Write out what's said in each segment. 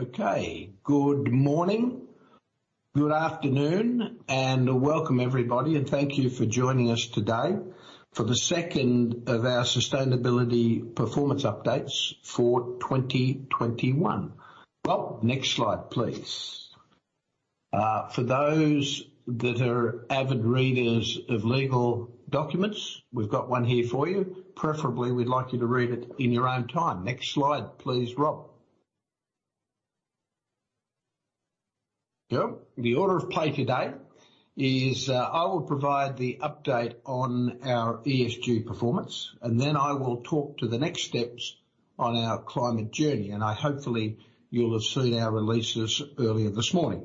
Okay. Good morning, good afternoon, and welcome everybody, and thank you for joining us today for the second of our sustainability performance updates for 2021. Well, next slide, please. For those that are avid readers of legal documents, we've got one here for you. Preferably, we'd like you to read it in your own time. Next slide, please, Rob. Good. The order of play today is, I will provide the update on our ESG performance, and then I will talk to the next steps on our climate journey, and hopefully you'll have seen our releases earlier this morning.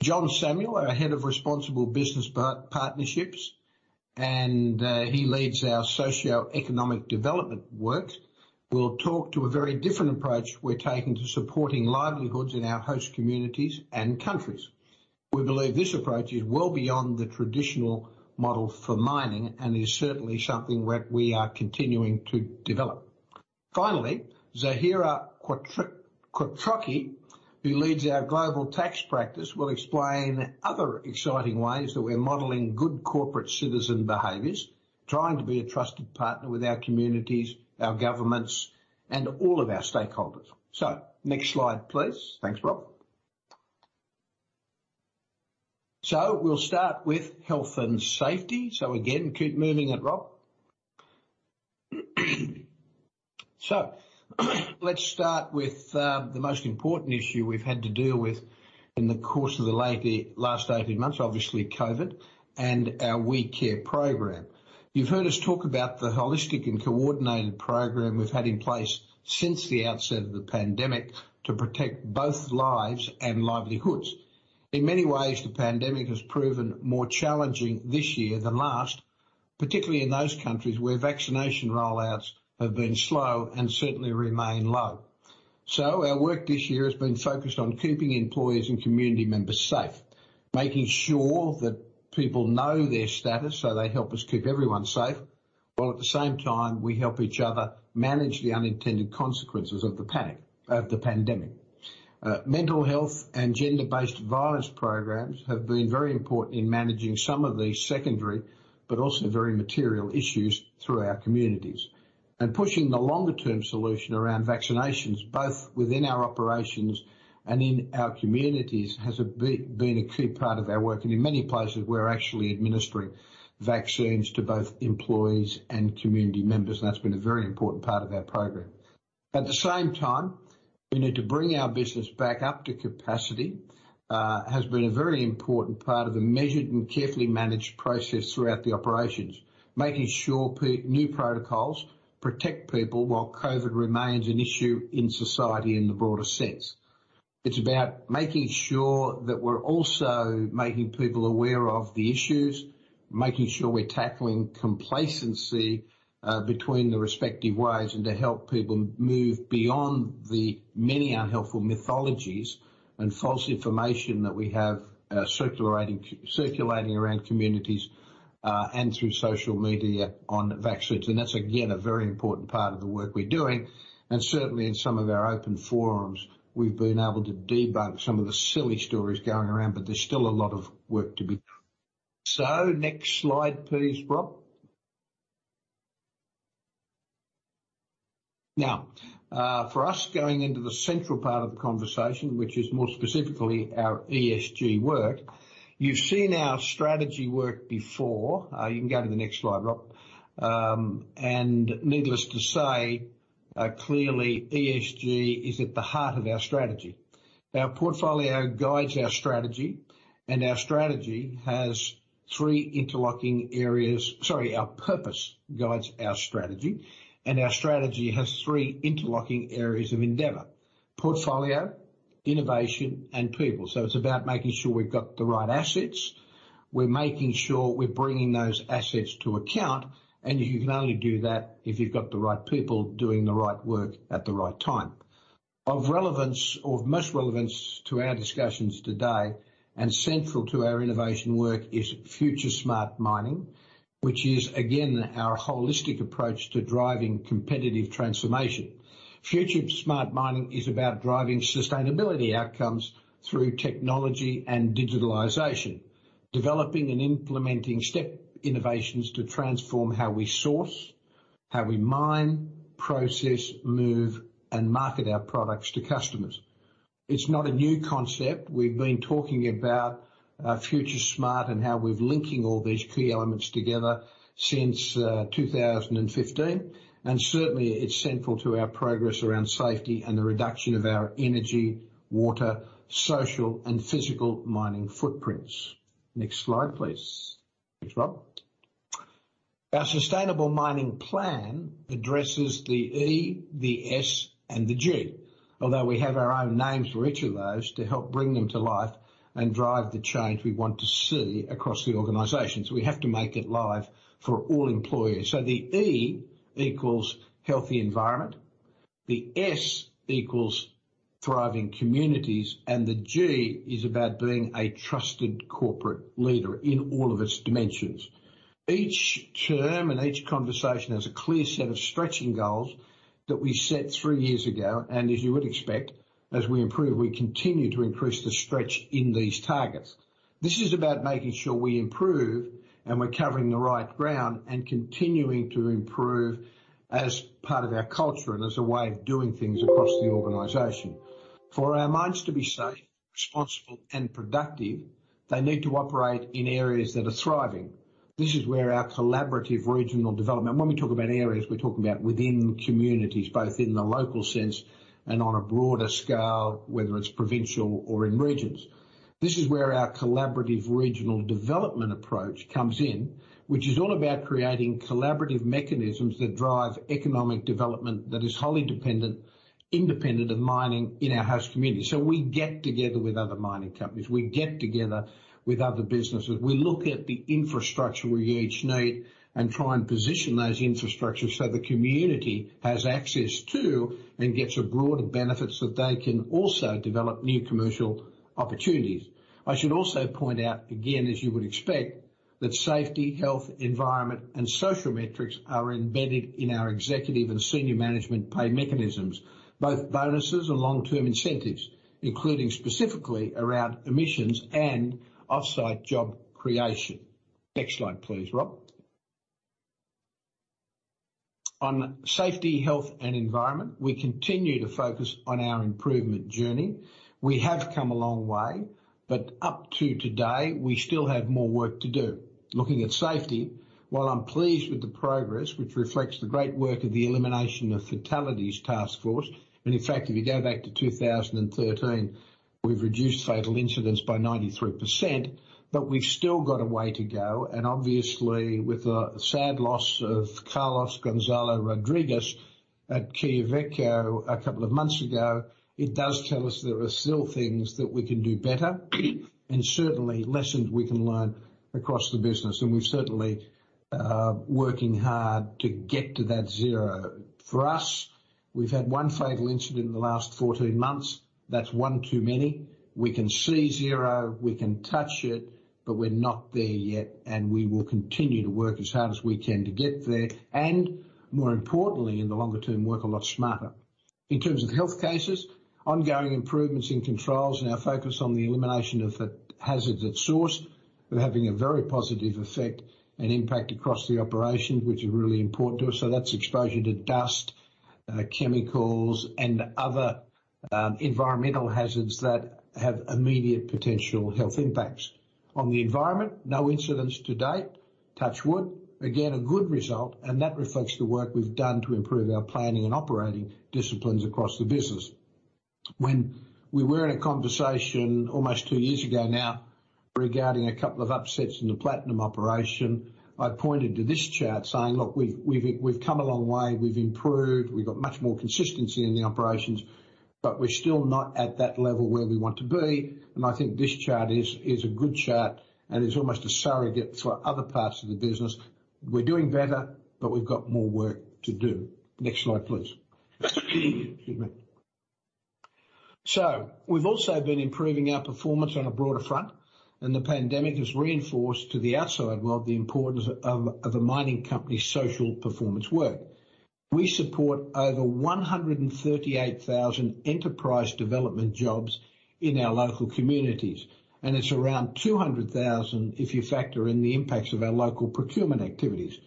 Jon Samuel, our Head of Responsible Business Partnerships, and he leads our socioeconomic development work, will talk to a very different approach we're taking to supporting livelihoods in our host communities and countries. We believe this approach is well beyond the traditional model for mining and is certainly something that we are continuing to develop. Finally, Zahira Quattrocchi, who leads our global tax practice, will explain other exciting ways that we're modeling good corporate citizen behaviors, trying to be a trusted partner with our communities, our governments, and all of our stakeholders. Next slide, please. Thanks, Rob. We'll start with health and safety. Again, keep moving it, Rob. Let's start with the most important issue we've had to deal with in the course of the last 18 months, obviously COVID and our WeCare program. You've heard us talk about the holistic and coordinated program we've had in place since the outset of the pandemic to protect both lives and livelihoods. In many ways, the pandemic has proven more challenging this year than last, particularly in those countries where vaccination roll-outs have been slow and certainly remain low. Our work this year has been focused on keeping employees and community members safe, making sure that people know their status, so they help us keep everyone safe, while at the same time we help each other manage the unintended consequences of the pandemic. Mental health and gender-based violence programs have been very important in managing some of these secondary but also very material issues through our communities. Pushing the longer term solution around vaccinations, both within our operations and in our communities, has been a key part of our work. In many places, we're actually administering vaccines to both employees and community members, and that's been a very important part of our program. At the same time, we need to bring our business back up to capacity, has been a very important part of the measured and carefully managed process throughout the operations. Making sure new protocols protect people while COVID remains an issue in society in the broader sense. It's about making sure that we're also making people aware of the issues, making sure we're tackling complacency, between the respective ways and to help people move beyond the many unhelpful mythologies and false information that we have, circulating around communities, and through social media on vaccines. That's again, a very important part of the work we're doing, and certainly in some of our open forums, we've been able to debunk some of the silly stories going around, but there's still a lot of work to be done. Next slide, please, Rob. Now, for us, going into the central part of the conversation, which is more specifically our ESG work. You've seen our strategy work before. You can go to the next slide, Rob. And needless to say, clearly ESG is at the heart of our strategy. Our portfolio guides our strategy, and our strategy has three interlocking areas. Sorry, our purpose guides our strategy, and our strategy has three interlocking areas of endeavor: portfolio, innovation, and people. It's about making sure we've got the right assets. We're making sure we're bringing those assets to account, and you can only do that if you've got the right people doing the right work at the right time. Of most relevance to our discussions today and central to our innovation work is FutureSmart Mining, which is again, our holistic approach to driving competitive transformation. FutureSmart Mining is about driving sustainability outcomes through technology and digitalization. Developing and implementing step innovations to transform how we source, how we mine, process, move, and market our products to customers. It's not a new concept. We've been talking about FutureSmart and how we're linking all these key elements together since 2015. Certainly, it's central to our progress around safety and the reduction of our energy, water, social, and physical mining footprints. Next slide, please. Thanks, Rob. Our Sustainable Mining Plan addresses the E, the S, and the G, although we have our own names for each of those to help bring them to life and drive the change we want to see across the organization. We have to make it live for all employees. The E equals healthy environment. The S equals thriving communities, and the G is about being a trusted corporate leader in all of its dimensions. Each term and each conversation has a clear set of stretching goals that we set three years ago. As you would expect, as we improve, we continue to increase the stretch in these targets. This is about making sure we improve and we're covering the right ground and continuing to improve as part of our culture and as a way of doing things across the organization. For our mines to be safe, responsible, and productive, they need to operate in areas that are thriving. This is where our collaborative regional development. When we talk about areas, we're talking about within communities, both in the local sense and on a broader scale, whether it's provincial or in regions. This is where our collaborative regional development approach comes in, which is all about creating collaborative mechanisms that drive economic development that is wholly independent of mining in our host community. We get together with other mining companies, we get together with other businesses, we look at the infrastructure we each need and try and position those infrastructures so the community has access to and gets a broader benefit so they can also develop new commercial opportunities. I should also point out, again, as you would expect, that safety, health, environment, and social metrics are embedded in our executive and senior management pay mechanisms, both bonuses and long-term incentives, including specifically around emissions and off-site job creation. Next slide, please, Rob. On safety, health, and environment, we continue to focus on our improvement journey. We have come a long way, but up to today, we still have more work to do. Looking at safety, while I'm pleased with the progress, which reflects the great work of the Elimination of Fatalities Task Force, and in fact, if you go back to 2013, we've reduced fatal incidents by 93%, but we've still got a way to go. Obviously, with the sad loss of Carlos Gonzalo Rodriguez at Quellaveco a couple of months ago, it does tell us there are still things that we can do better, and certainly lessons we can learn across the business. We're certainly working hard to get to that zero. For us, we've had one fatal incident in the last 14 months. That's one too many. We can see zero, we can touch it, but we're not there yet, and we will continue to work as hard as we can to get there, and more importantly, in the longer term, work a lot smarter. In terms of health cases, ongoing improvements in controls and our focus on the elimination of the hazards at source are having a very positive effect and impact across the operation, which is really important to us. That's exposure to dust, chemicals, and other environmental hazards that have immediate potential health impacts. On the environment, no incidents to date, touch wood. Again, a good result, and that reflects the work we've done to improve our planning and operating disciplines across the business. When we were in a conversation almost two years ago now regarding a couple of upsets in the platinum operation, I pointed to this chart saying, "Look, we've come a long way. We've improved. We've got much more consistency in the operations, but we're still not at that level where we want to be." I think this chart is a good chart, and it's almost a surrogate for other parts of the business. We're doing better, but we've got more work to do. Next slide, please. Excuse me. We've also been improving our performance on a broader front, and the pandemic has reinforced to the outside world the importance of a mining company's social performance work. We support over 138,000 enterprise development jobs in our local communities, and it's around 200,000 if you factor in the impacts of our local procurement activities.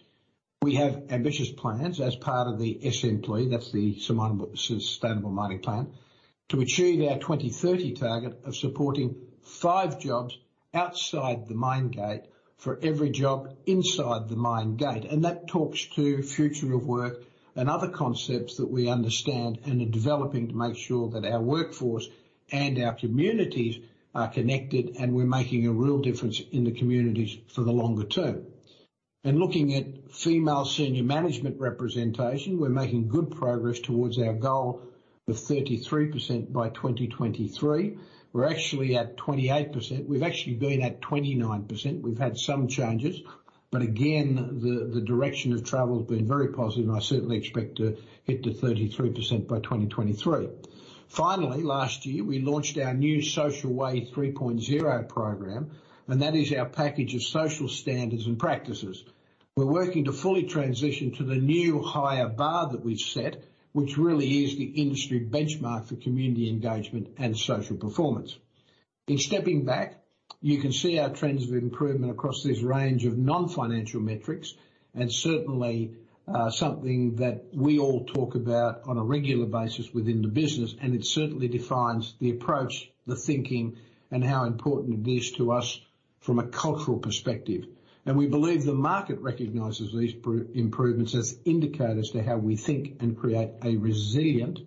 We have ambitious plans as part of the SMP, that's the Sustainable Mining Plan, to achieve our 2030 target of supporting five jobs outside the mine gate for every job inside the mine gate. That talks to future of work and other concepts that we understand and are developing to make sure that our workforce and our communities are connected, and we're making a real difference in the communities for the longer term. Looking at female senior management representation, we're making good progress towards our goal of 33% by 2023. We're actually at 28%. We've actually been at 29%. We've had some changes, but again, the direction of travel has been very positive, and I certainly expect to get to 33% by 2023. Finally, last year, we launched our new Social Way 3.0 program, and that is our package of social standards and practices. We're working to fully transition to the new higher bar that we've set, which really is the industry benchmark for community engagement and social performance. In stepping back, you can see our trends of improvement across this range of non-financial metrics, and certainly, something that we all talk about on a regular basis within the business, and it certainly defines the approach, the thinking, and how important it is to us from a cultural perspective. We believe the market recognizes these improvements as indicators to how we think and create a resilient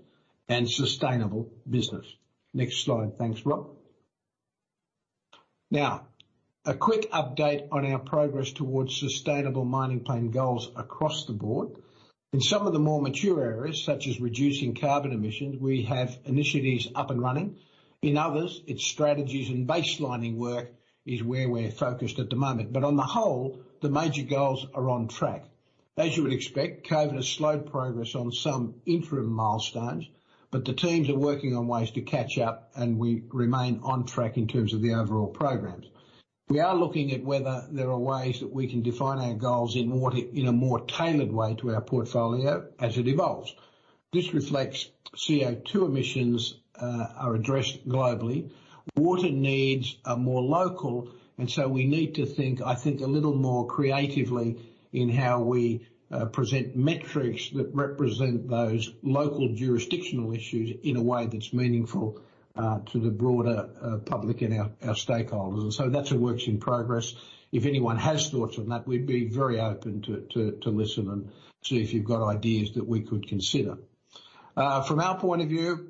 and sustainable business. Next slide. Thanks, Rob. Now, a quick update on our progress towards Sustainable Mining Plan goals across the board. In some of the more mature areas, such as reducing carbon emissions, we have initiatives up and running. In others, it's strategies and baselining work is where we're focused at the moment. On the whole, the major goals are on track. As you would expect, COVID has slowed progress on some interim milestones, but the teams are working on ways to catch up, and we remain on track in terms of the overall programs. We are looking at whether there are ways that we can define our goals in more, in a more tailored way to our portfolio as it evolves. This reflects CO2 emissions are addressed globally. Water needs are more local, and so we need to think, I think, a little more creatively in how we present metrics that represent those local jurisdictional issues in a way that's meaningful to the broader public and our stakeholders. That's a work in progress. If anyone has thoughts on that, we'd be very open to listen and see if you've got ideas that we could consider. From our point of view,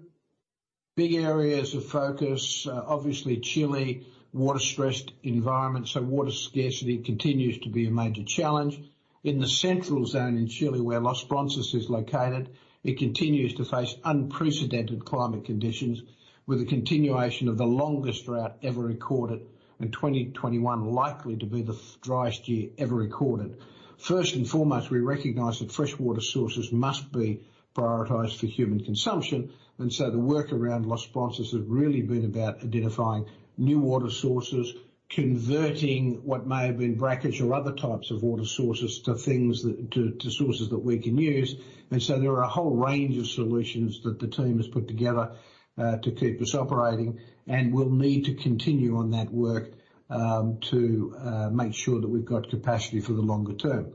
big areas of focus, obviously Chile, water-stressed environment, so water scarcity continues to be a major challenge. In the central zone in Chile, where Los Bronces is located, it continues to face unprecedented climate conditions with the continuation of the longest drought ever recorded, and 2021 likely to be the driest year ever recorded. First and foremost, we recognize that fresh water sources must be prioritized for human consumption. The work around Los Bronces has really been about identifying new water sources, converting what may have been brackish or other types of water sources to sources that we can use. There are a whole range of solutions that the team has put together to keep us operating. We'll need to continue on that work to make sure that we've got capacity for the longer term.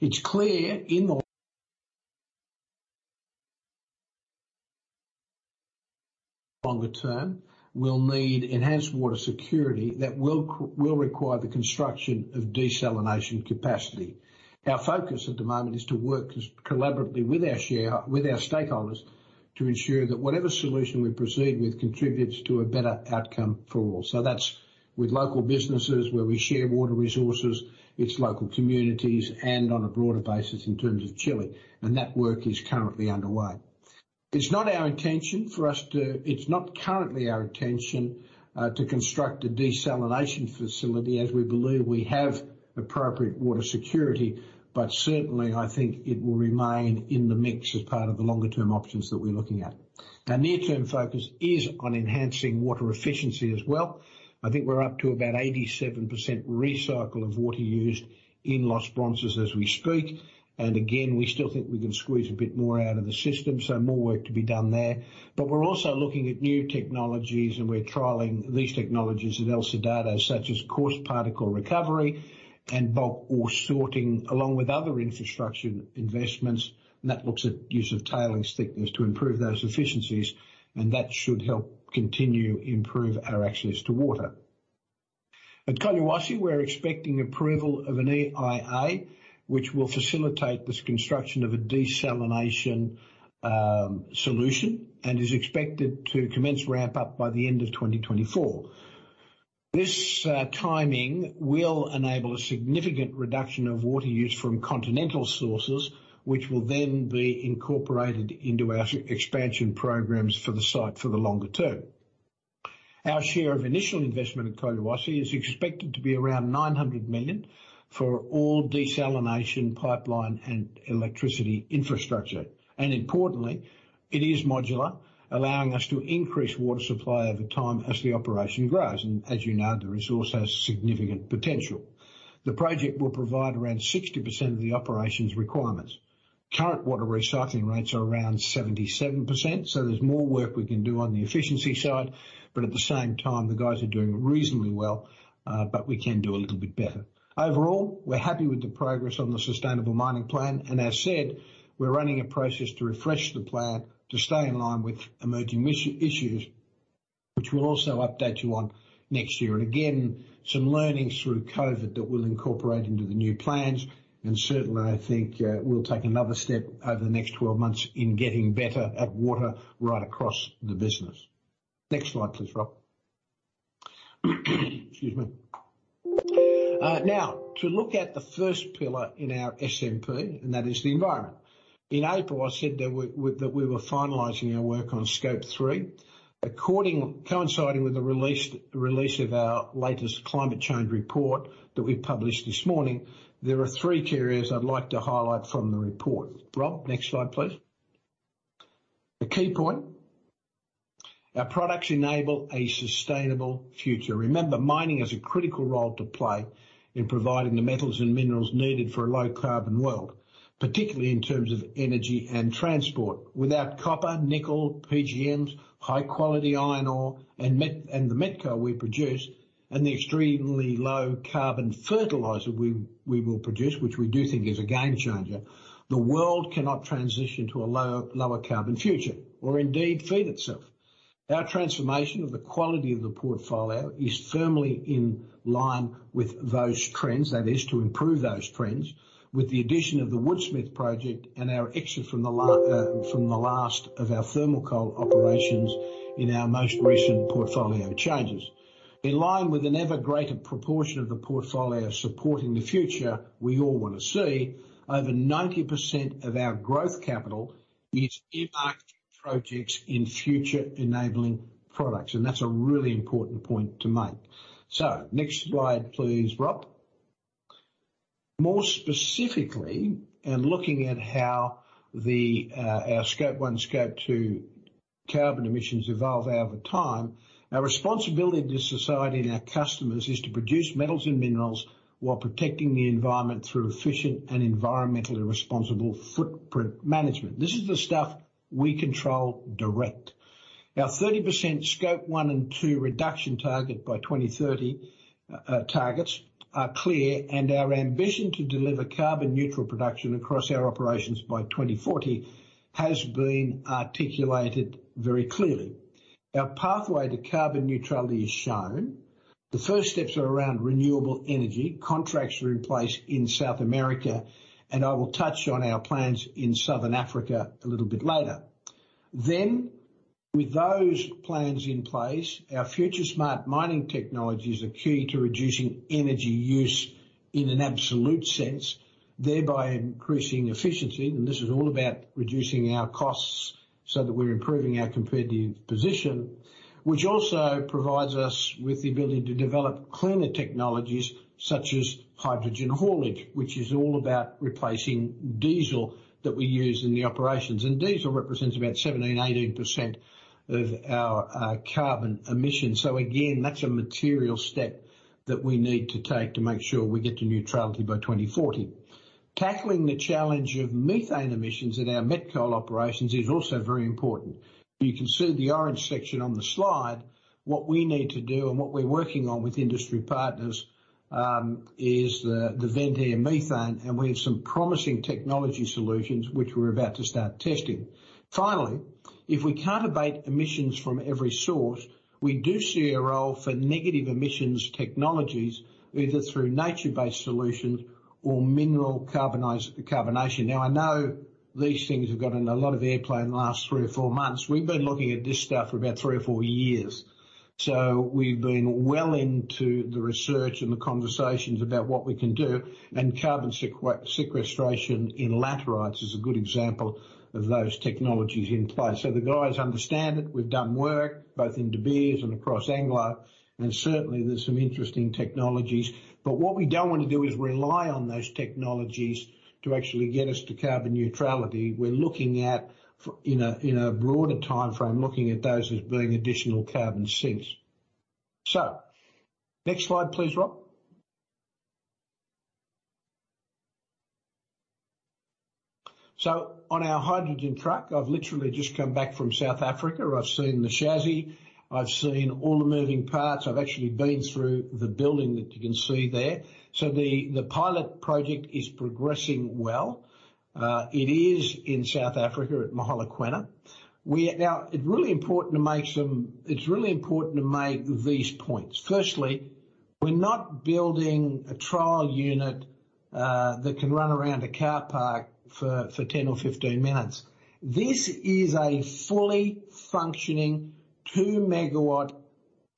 It's clear in the longer term we'll need enhanced water security that will require the construction of desalination capacity. Our focus at the moment is to work collaboratively with our stakeholders to ensure that whatever solution we proceed with contributes to a better outcome for all. That's with local businesses where we share water resources, it's local communities, and on a broader basis in terms of Chile. That work is currently underway. It's not currently our intention to construct a desalination facility as we believe we have appropriate water security. Certainly I think it will remain in the mix as part of the longer-term options that we're looking at. Our near-term focus is on enhancing water efficiency as well. I think we're up to about 87% recycle of water used in Los Bronces as we speak. Again, we still think we can squeeze a bit more out of the system, so more work to be done there. We're also looking at new technologies, and we're trialing these technologies in El Soldado, such as Coarse Particle Recovery and bulk ore sorting, along with other infrastructure investments. That looks at use of tailings thickness to improve those efficiencies, and that should help continue improve our access to water. At Collahuasi, we're expecting approval of an EIA, which will facilitate this construction of a desalination solution and is expected to commence ramp up by the end of 2024. This timing will enable a significant reduction of water use from continental sources, which will then be incorporated into our expansion programs for the site for the longer term. Our share of initial investment at Collahuasi is expected to be around $900 million for all desalination, pipeline, and electricity infrastructure. Importantly, it is modular, allowing us to increase water supply over time as the operation grows. As you know, the resource has significant potential. The project will provide around 60% of the operations requirements. Current water recycling rates are around 77%, so there's more work we can do on the efficiency side. At the same time, the guys are doing reasonably well, but we can do a little bit better. Overall, we're happy with the progress on the Sustainable Mining Plan, and as said, we're running a process to refresh the plan to stay in line with emerging issues, which we'll also update you on next year. Again, some learnings through COVID that we'll incorporate into the new plans. Certainly I think, we'll take another step over the next 12 months in getting better at water right across the business. Next slide, please, Rob. Excuse me. Now, to look at the first pillar in our SMP, that is the environment. In April, I said that we were finalizing our work on Scope 3. Coinciding with the release of our latest climate change report that we published this morning, there are three key areas I'd like to highlight from the report. Rob, next slide please. The key point, our products enable a sustainable future. Remember, mining has a critical role to play in providing the metals and minerals needed for a low-carbon world, particularly in terms of energy and transport. Without copper, nickel, PGMs, high-quality iron ore, and met coal we produce, and the extremely low carbon fertilizer we will produce, which we do think is a game changer, the world cannot transition to a lower carbon future or indeed feed itself. Our transformation of the quality of the portfolio is firmly in line with those trends, that is, to improve those trends, with the addition of the Woodsmith project and our exit from the last of our thermal coal operations in our most recent portfolio changes. In line with an ever greater proportion of the portfolio supporting the future we all wanna see, over 90% of our growth capital is earmarked for projects in future enabling products. That's a really important point to make. Next slide, please, Rob. More specifically, in looking at how the our Scope 1, Scope 2 carbon emissions evolve over time, our responsibility to society and our customers is to produce metals and minerals while protecting the environment through efficient and environmentally responsible footprint management. This is the stuff we control directly. Our 30% Scope 1 and 2 reduction target by 2030 targets are clear, and our ambition to deliver carbon neutral production across our operations by 2040 has been articulated very clearly. Our pathway to carbon neutrality is shown. The first steps are around renewable energy. Contracts are in place in South America, and I will touch on our plans in Southern Africa a little bit later. With those plans in place, our FutureSmart Mining technologies are key to reducing energy use in an absolute sense, thereby increasing efficiency. This is all about reducing our costs so that we're improving our competitive position, which also provides us with the ability to develop cleaner technologies such as hydrogen haulage, which is all about replacing diesel that we use in the operations. Diesel represents about 17%-18% of our carbon emissions. Again, that's a material step that we need to take to make sure we get to neutrality by 2040. Tackling the challenge of methane emissions in our met coal operations is also very important. You can see the orange section on the slide. What we need to do and what we're working on with industry partners is the vent air methane, and we have some promising technology solutions which we're about to start testing. Finally, if we can't abate emissions from every source, we do see a role for negative emissions technologies, either through nature-based solutions or mineral carbonation. Now, I know these things have gotten a lot of airplay in the last three or four months. We've been looking at this stuff for about three or four years, so we've been well into the research and the conversations about what we can do, and carbon sequestration in laterites is a good example of those technologies in play. The guys understand it. We've done work both in De Beers and across Anglo, and certainly there's some interesting technologies. But what we don't want to do is rely on those technologies to actually get us to carbon neutrality. We're looking at, in a broader timeframe, looking at those as being additional carbon sinks. Next slide, please, Rob. On our hydrogen truck, I've literally just come back from South Africa. I've seen the chassis, I've seen all the moving parts. I've actually been through the building that you can see there. The pilot project is progressing well. It is in South Africa at Mogalakwena. It's really important to make these points. Firstly, we're not building a trial unit that can run around a car park for 10 or 15 minutes. This is a fully functioning 2 megawatt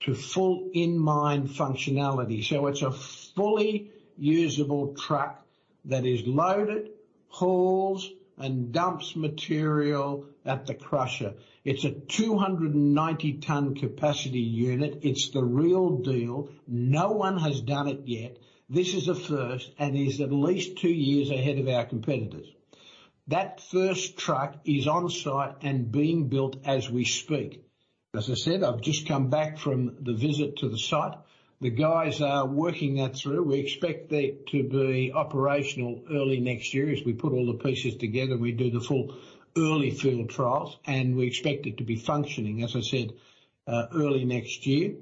to full in-mine functionality. It's a fully usable truck that is loaded, hauls, and dumps material at the crusher. It's a 290-ton capacity unit. It's the real deal. No one has done it yet. This is a first and is at least 2 years ahead of our competitors. That first truck is on site and being built as we speak. As I said, I've just come back from the visit to the site. The guys are working that through. We expect that to be operational early next year as we put all the pieces together, and we do the full early field trials, and we expect it to be functioning, as I said, early next year.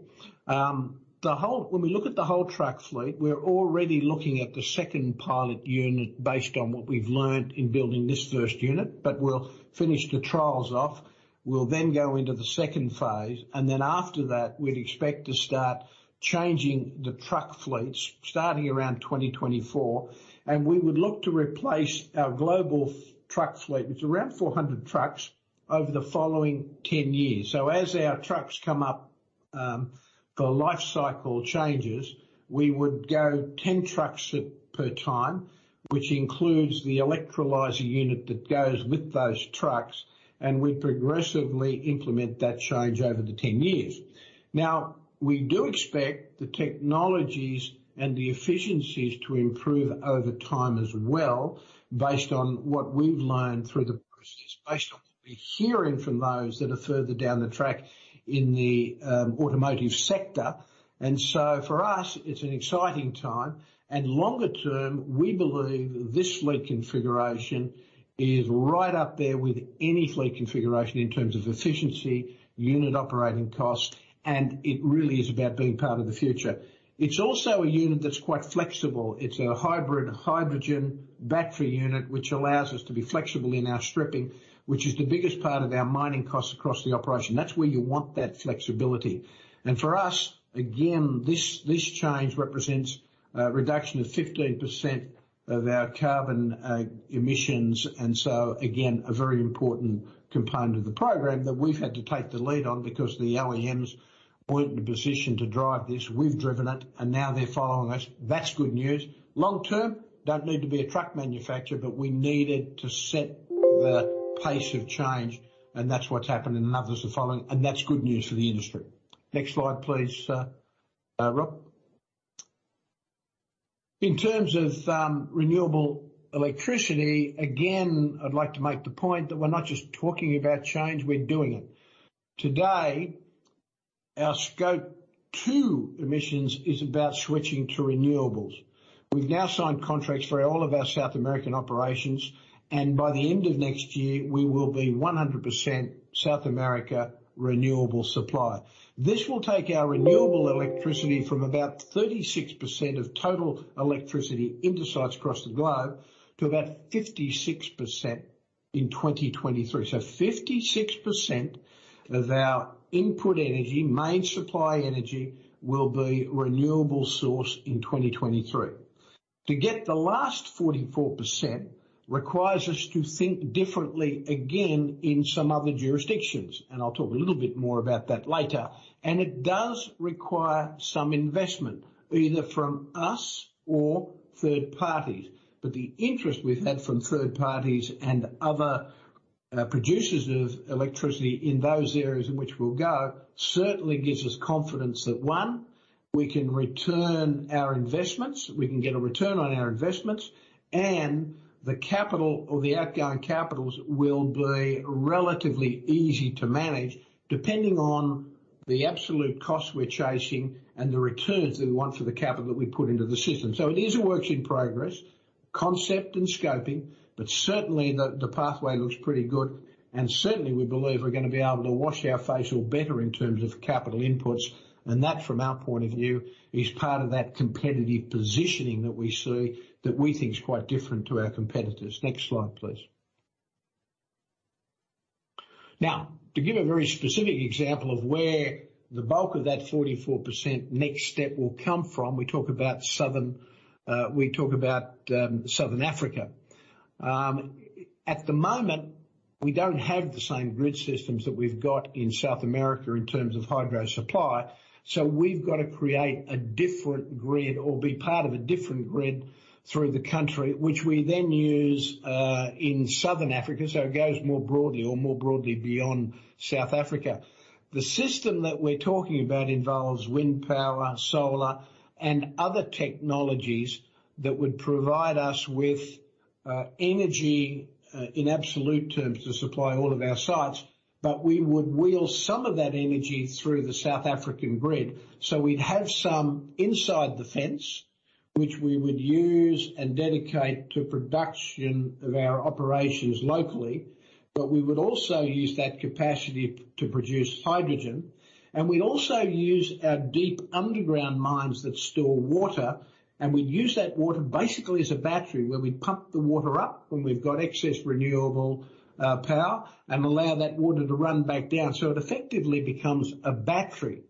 When we look at the whole truck fleet, we're already looking at the second pilot unit based on what we've learned in building this first unit. We'll finish the trials off, we'll then go into the second phase, and then after that we'd expect to start changing the truck fleets starting around 2024. We would look to replace our global truck fleet, it's around 400 trucks, over the following 10 years. As our trucks come up for lifecycle changes, we would go 10 trucks at a time, which includes the electrolyzer unit that goes with those trucks, and we'd progressively implement that change over the 10 years. We do expect the technologies and the efficiencies to improve over time as well based on what we've learned through the process, based on what we're hearing from those that are further down the track in the automotive sector. For us it's an exciting time. Longer term, we believe this fleet configuration is right up there with any fleet configuration in terms of efficiency, unit operating costs, and it really is about being part of the future. It's also a unit that's quite flexible. It's a hybrid hydrogen battery unit, which allows us to be flexible in our stripping, which is the biggest part of our mining costs across the operation. That's where you want that flexibility. For us, again, this change represents a reduction of 15% of our carbon emissions. Again, a very important component of the program that we've had to take the lead on because the OEMs weren't in a position to drive this. We've driven it and now they're following us. That's good news. Long term, don't need to be a truck manufacturer, but we needed to set the pace of change and that's what's happened and others are following. That's good news for the industry. Next slide, please, sir. Rob. In terms of renewable electricity, again, I'd like to make the point that we're not just talking about change, we're doing it. Today, our Scope 2 emissions is about switching to renewables. We've now signed contracts for all of our South American operations, and by the end of next year, we will be 100% South America renewable supply. This will take our renewable electricity from about 36% of total electricity into sites across the globe to about 56% in 2023. So 56% of our input energy, main supply energy, will be renewable source in 2023. To get the last 44% requires us to think differently again in some other jurisdictions, and I'll talk a little bit more about that later. It does require some investment, either from us or third parties. The interest we've had from third parties and other producers of electricity in those areas in which we'll go certainly gives us confidence that, one, we can return our investments. We can get a return on our investments. The capital or the outgoing capitals will be relatively easy to manage depending on the absolute cost we're chasing and the returns that we want for the capital that we put into the system. It is a work in progress, concept and scoping, but certainly the pathway looks pretty good. Certainly we believe we're gonna be able to wash our face or better in terms of capital inputs. That, from our point of view, is part of that competitive positioning that we see that we think is quite different to our competitors. Next slide, please. Now, to give a very specific example of where the bulk of that 44% next step will come from. We talk about Southern Africa. At the moment, we don't have the same grid systems that we've got in South America in terms of hydro supply. We've got to create a different grid or be part of a different grid through the country, which we then use in Southern Africa. It goes more broadly beyond South Africa. The system that we're talking about involves wind power, solar, and other technologies that would provide us with energy in absolute terms to supply all of our sites. We would wheel some of that energy through the South African grid. We'd have some inside the fence, which we would use and dedicate to production of our operations locally. We would also use that capacity to produce hydrogen. We'd also use our deep underground mines that store water, and we use that water basically as a battery, where we pump the water up when we've got excess renewable power and allow that water to run back down. It effectively becomes a battery.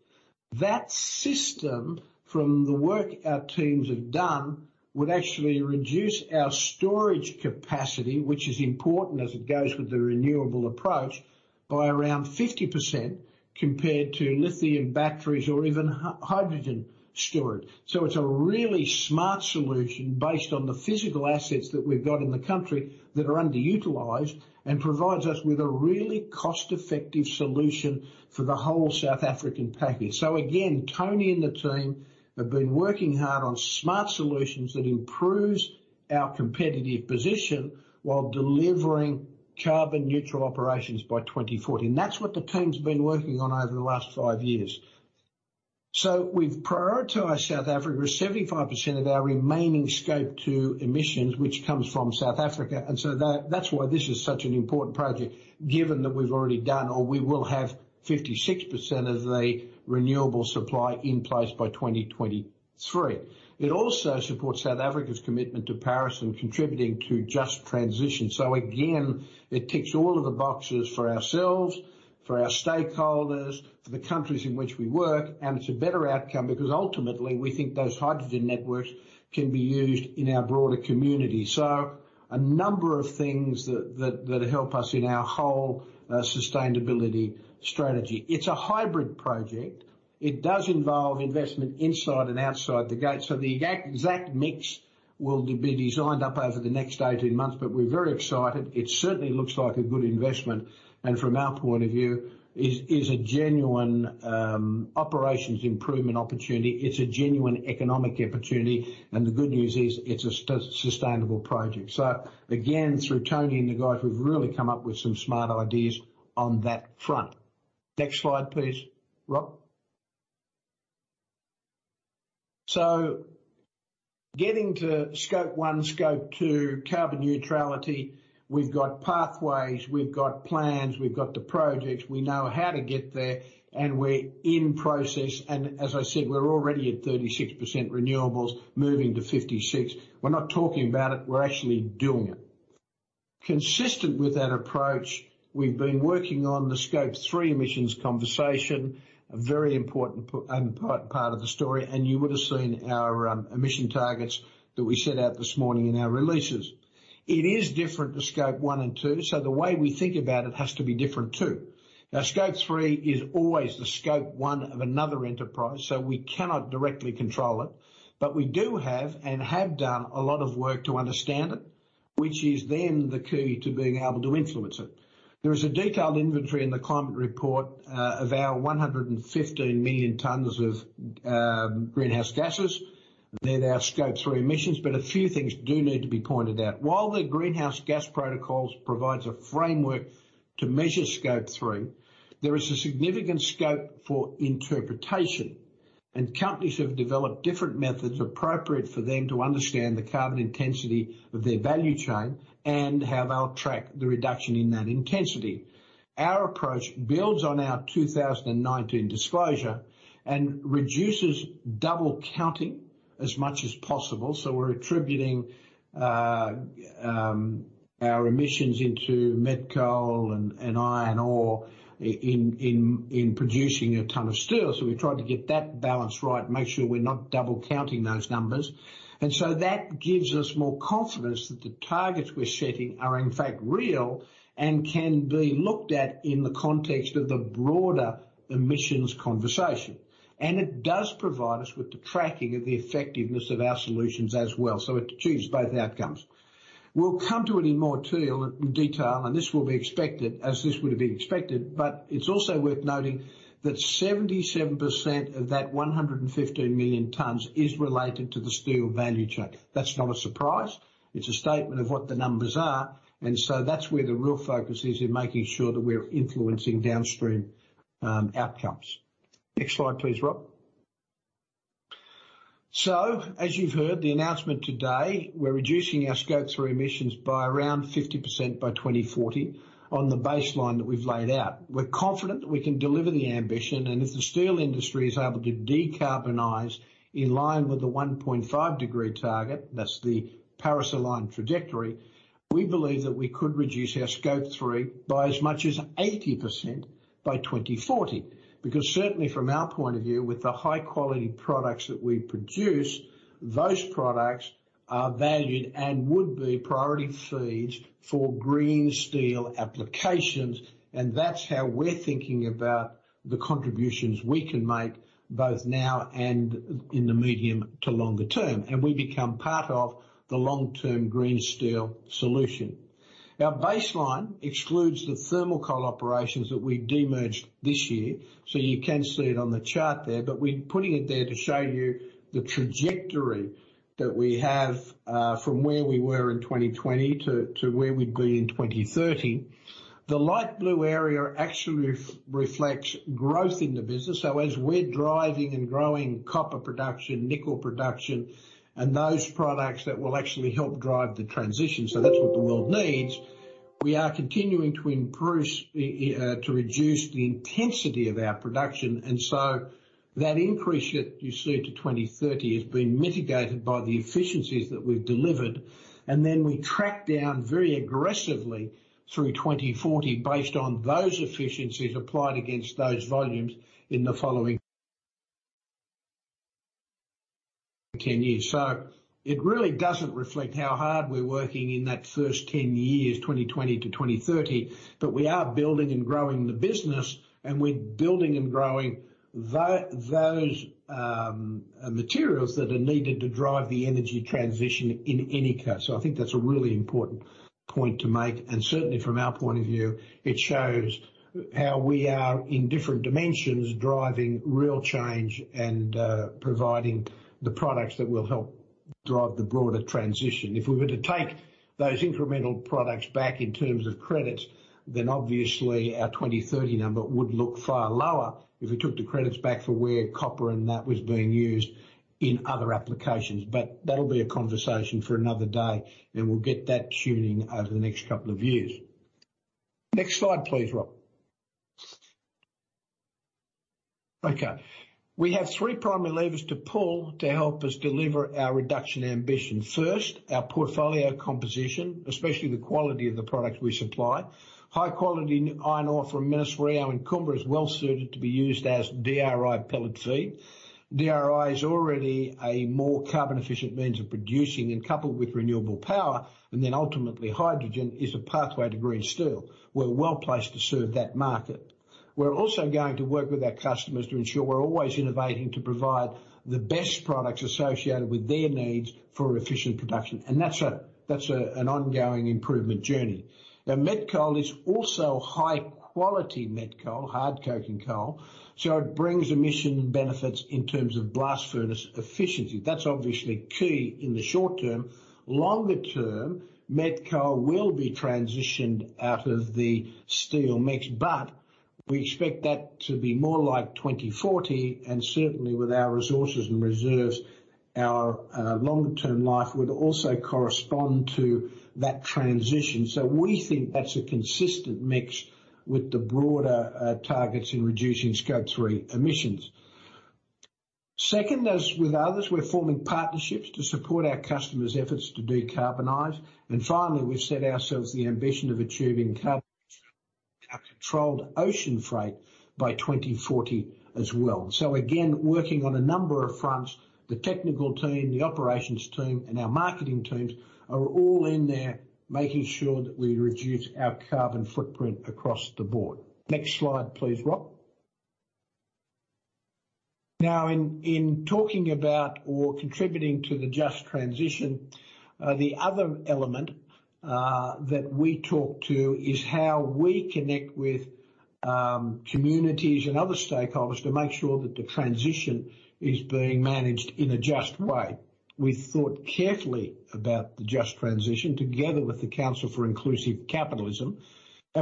That system, from the work our teams have done, would actually reduce our storage capacity, which is important as it goes with the renewable approach, by around 50% compared to lithium batteries or even hydrogen storage. It's a really smart solution based on the physical assets that we've got in the country that are underutilized and provides us with a really cost-effective solution for the whole South African package. Again, Tony and the team have been working hard on smart solutions that improves our competitive position while delivering carbon neutral operations by 2040. That's what the team's been working on over the last five years. We've prioritized South Africa. 75% of our remaining Scope 2 emissions, which comes from South Africa. That's why this is such an important project, given that we've already done or we will have 56% of the renewable supply in place by 2023. It also supports South Africa's commitment to Paris and contributing to just transition. Again, it ticks all of the boxes for ourselves, for our stakeholders, for the countries in which we work. It's a better outcome because ultimately we think those hydrogen networks can be used in our broader community. A number of things that help us in our whole sustainability strategy. It's a hybrid project. It does involve investment inside and outside the gate. The exact mix will be designed up over the next 18 months, but we're very excited. It certainly looks like a good investment, and from our point of view, is a genuine operations improvement opportunity. It's a genuine economic opportunity. The good news is it's a sustainable project. Again, through Tony and the guys who've really come up with some smart ideas on that front. Next slide, please. Rob. Getting to Scope 1, Scope 2 carbon neutrality. We've got pathways. We've got plans. We've got the projects. We know how to get there. We're in process. As I said, we're already at 36% renewables moving to 56%. We're not talking about it, we're actually doing it. Consistent with that approach, we've been working on the Scope 3 emissions conversation, a very important part of the story, and you would have seen our emission targets that we set out this morning in our releases. It is different to Scope 1 and 2, so the way we think about it has to be different too. Now, Scope 3 is always the Scope 1 of another enterprise, so we cannot directly control it. We do have and have done a lot of work to understand it, which is then the key to being able to influence it. There is a detailed inventory in the climate report of our 115 million tons of greenhouse gases. They're our Scope 3 emissions, but a few things do need to be pointed out. While the Greenhouse Gas Protocol provides a framework to measure Scope 3, there is a significant scope for interpretation, and companies have developed different methods appropriate for them to understand the carbon intensity of their value chain and how they'll track the reduction in that intensity. Our approach builds on our 2019 disclosure and reduces double counting as much as possible. We're attributing our emissions into met coal and iron ore in producing a ton of steel. We've tried to get that balance right, make sure we're not double counting those numbers. That gives us more confidence that the targets we're setting are in fact real and can be looked at in the context of the broader emissions conversation. It does provide us with the tracking of the effectiveness of our solutions as well. It achieves both outcomes. We'll come to it in more detail, and this will be expected as this would have been expected. It's also worth noting that 77% of that 115 million tons is related to the steel value chain. That's not a surprise. It's a statement of what the numbers are, and so that's where the real focus is in making sure that we're influencing downstream outcomes. Next slide, please, Rob. As you've heard the announcement today, we're reducing our Scope 3 emissions by around 50% by 2040 on the baseline that we've laid out. We're confident that we can deliver the ambition, and if the steel industry is able to decarbonize in line with the 1.5-degree target, that's the Paris-aligned trajectory, we believe that we could reduce our Scope 3 by as much as 80% by 2040. Because certainly from our point of view, with the high-quality products that we produce, those products are valued and would be priority feeds for green steel applications. That's how we're thinking about the contributions we can make both now and in the medium to longer term, and we become part of the long-term green steel solution. Our baseline excludes the thermal coal operations that we demerged this year. You can see it on the chart there, but we're putting it there to show you the trajectory that we have from where we were in 2020 to where we'd be in 2030. The light blue area actually reflects growth in the business. As we're driving and growing copper production, nickel production and those products that will actually help drive the transition. That's what the world needs. We are continuing to improve to reduce the intensity of our production, and that increase that you see to 2030 has been mitigated by the efficiencies that we've delivered. Then we track down very aggressively through 2040 based on those efficiencies applied against those volumes in the following 10 years. It really doesn't reflect how hard we're working in that first 10 years, 2020 to 2030, but we are building and growing the business, and we're building and growing those materials that are needed to drive the energy transition in any case. I think that's a really important point to make. Certainly from our point of view, it shows how we are in different dimensions, driving real change and providing the products that will help drive the broader transition. If we were to take those incremental products back in terms of credits, then obviously our 2030 number would look far lower if we took the credits back for where copper and that was being used in other applications. That'll be a conversation for another day, and we'll get that tuning over the next couple of years. Next slide, please, Rob. Okay. We have three primary levers to pull to help us deliver our reduction ambition. First, our portfolio composition, especially the quality of the products we supply. High-quality iron ore from Minas-Rio and Kumba is well suited to be used as DRI pellet feed. DRI is already a more carbon efficient means of producing and coupled with renewable power, and then ultimately hydrogen is a pathway to green steel. We're well placed to serve that market. We're also going to work with our customers to ensure we're always innovating to provide the best products associated with their needs for efficient production. That's an ongoing improvement journey. Now met coal is also high quality met coal, hard coking coal. It brings emission benefits in terms of blast furnace efficiency. That's obviously key in the short term. Longer term, met coal will be transitioned out of the steel mix, but we expect that to be more like 2040 and certainly with our resources and reserves, our long-term life would also correspond to that transition. We think that's a consistent mix with the broader targets in reducing Scope 3 emissions. Second, as with others, we're forming partnerships to support our customers' efforts to decarbonize. Finally, we've set ourselves the ambition of achieving carbon controlled ocean freight by 2040 as well. Again, working on a number of fronts, the technical team, the operations team, and our marketing teams are all in there making sure that we reduce our carbon footprint across the board. Next slide, please, Rob. Now talking about or contributing to the just transition, the other element that we talk to is how we connect with communities and other stakeholders to make sure that the transition is being managed in a just way. We thought carefully about the just transition together with the Council for Inclusive Capitalism.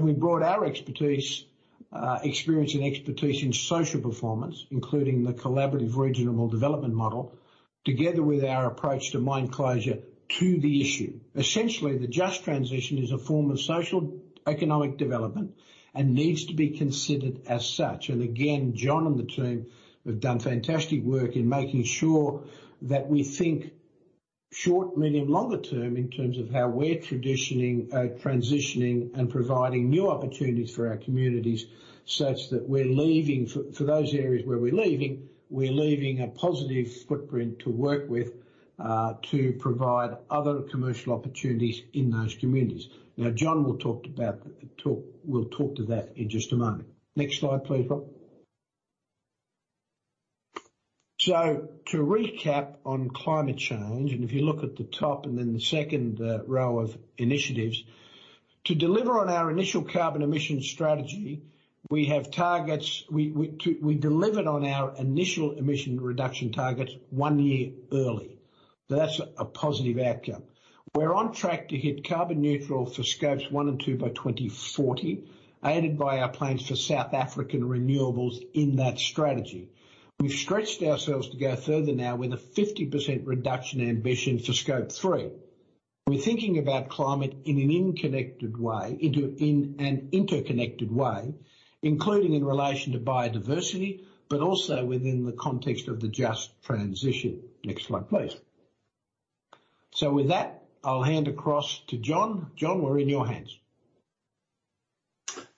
We brought our expertise, experience and expertise in social performance, including the collaborative regional development model, together with our approach to mine closure to the issue. Essentially, the just transition is a form of social economic development and needs to be considered as such. Again, Jon and the team have done fantastic work in making sure that we think short, medium, longer term in terms of how we're transitioning and providing new opportunities for our communities, such that, for those areas where we're leaving, we're leaving a positive footprint to work with, to provide other commercial opportunities in those communities. Now, Jon will talk to that in just a moment. Next slide, please, Rob. To recap on climate change, and if you look at the top and then the second row of initiatives. To deliver on our initial carbon emission strategy, we have targets. We delivered on our initial emission reduction targets one year early. That's a positive outcome. We're on track to hit carbon neutral for Scope 1 and 2 by 2040, aided by our plans for South African renewables in that strategy. We've stretched ourselves to go further now with a 50% reduction ambition for Scope 3. We're thinking about climate in an interconnected way, including in relation to biodiversity, but also within the context of the just transition. Next slide, please. With that, I'll hand across to Jon. Jon, we're in your hands.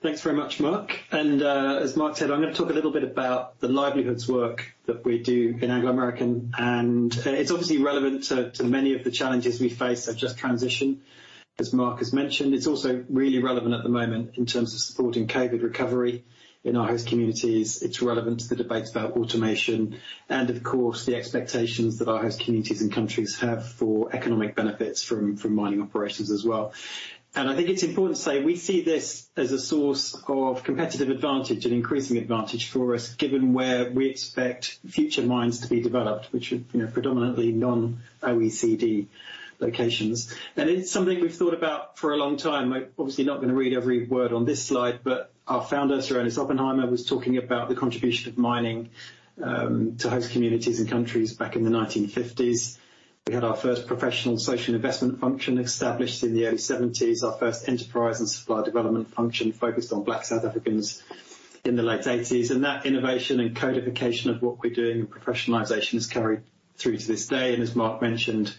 Thanks very much, Mark. As Mark said, I'm gonna talk a little bit about the livelihoods work that we do in Anglo American, and it's obviously relevant to many of the challenges we face of just transition, as Mark has mentioned. It's also really relevant at the moment in terms of supporting COVID recovery in our host communities. It's relevant to the debates about automation and of course, the expectations that our host communities and countries have for economic benefits from mining operations as well. I think it's important to say, we see this as a source of competitive advantage and increasing advantage for us, given where we expect future mines to be developed, which are, you know, predominantly non-OECD locations. It's something we've thought about for a long time. I'm obviously not gonna read every word on this slide, but our founder, Sir Ernest Oppenheimer, was talking about the contribution of mining to host communities and countries back in the 1950s. We had our first professional social investment function established in the early 1970s. Our first enterprise and supplier development function focused on black South Africans in the late 1980s. That innovation and codification of what we're doing and professionalization has carried through to this day. As Mark mentioned,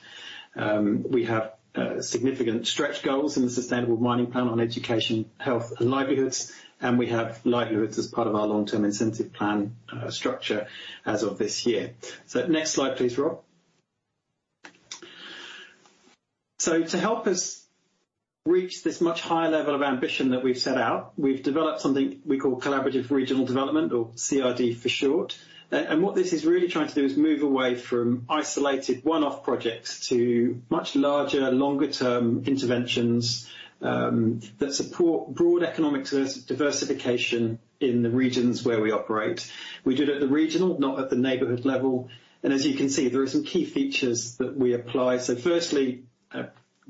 we have significant stretch goals in the Sustainable Mining Plan on education, health, and livelihoods, and we have livelihoods as part of our long-term incentive plan structure as of this year. Next slide, please, Rob. To help us reach this much higher level of ambition that we've set out, we've developed something we call collaborative regional development or CRD for short. What this is really trying to do is move away from isolated one-off projects to much larger, longer-term interventions that support broad economic diversification in the regions where we operate. We do it at the regional, not at the neighborhood level. As you can see, there are some key features that we apply. Firstly,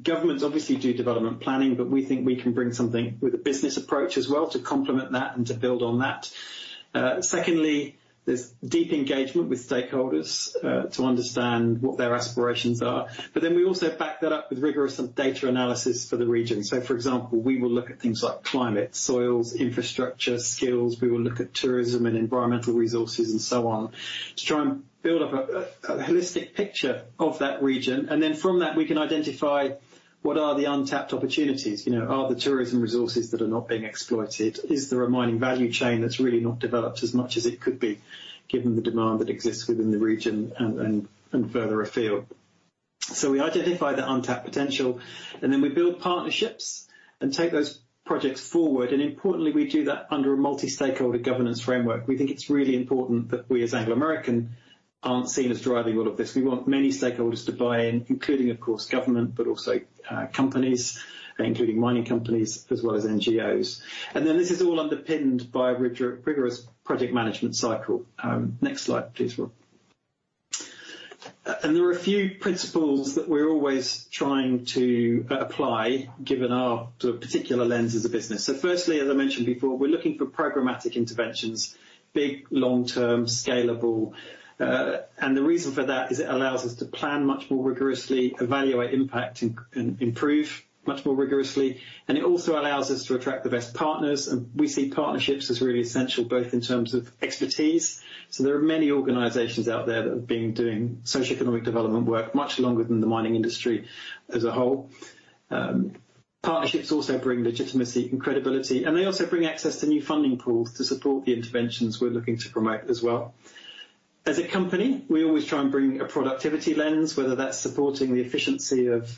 governments obviously do development planning, but we think we can bring something with a business approach as well to complement that and to build on that. Secondly, there's deep engagement with stakeholders to understand what their aspirations are. We also back that up with rigorous data analysis for the region. For example, we will look at things like climate, soils, infrastructure, skills. We will look at tourism and environmental resources and so on, to try and build up a holistic picture of that region. From that, we can identify what are the untapped opportunities. You know, are there tourism resources that are not being exploited? Is there a mining value chain that's really not developed as much as it could be, given the demand that exists within the region and further afield? We identify the untapped potential, and then we build partnerships and take those projects forward. Importantly, we do that under a multi-stakeholder governance framework. We think it's really important that we, as Anglo American, aren't seen as driving all of this. We want many stakeholders to buy in, including, of course, government, but also companies, including mining companies as well as NGOs. Then this is all underpinned by a rigorous project management cycle. Next slide, please, Rob. There are a few principles that we're always trying to apply, given our sort of particular lens as a business. Firstly, as I mentioned before, we're looking for programmatic interventions, big, long-term, scalable. The reason for that is it allows us to plan much more rigorously, evaluate impact, and improve much more rigorously. It also allows us to attract the best partners. We see partnerships as really essential, both in terms of expertise. There are many organizations out there that have been doing socioeconomic development work much longer than the mining industry as a whole. Partnerships also bring legitimacy and credibility, and they also bring access to new funding pools to support the interventions we're looking to promote as well. As a company, we always try and bring a productivity lens, whether that's supporting the efficiency of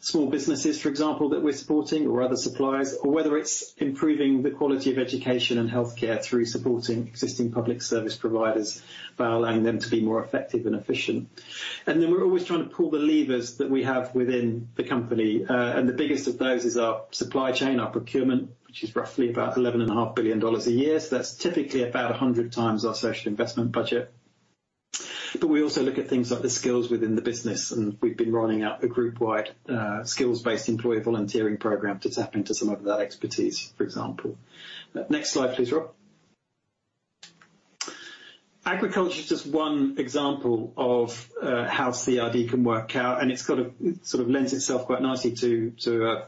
small businesses, for example, that we're supporting or other suppliers, or whether it's improving the quality of education and healthcare through supporting existing public service providers by allowing them to be more effective and efficient. We're always trying to pull the levers that we have within the company, and the biggest of those is our supply chain, our procurement, which is roughly about $11.5 billion a year. That's typically about 100x our social investment budget. We also look at things like the skills within the business, and we've been rolling out a group-wide skills-based employee volunteering program to tap into some of that expertise, for example. Next slide, please, Rob. Agriculture is just one example of how CRD can work out, and it sort of lends itself quite nicely to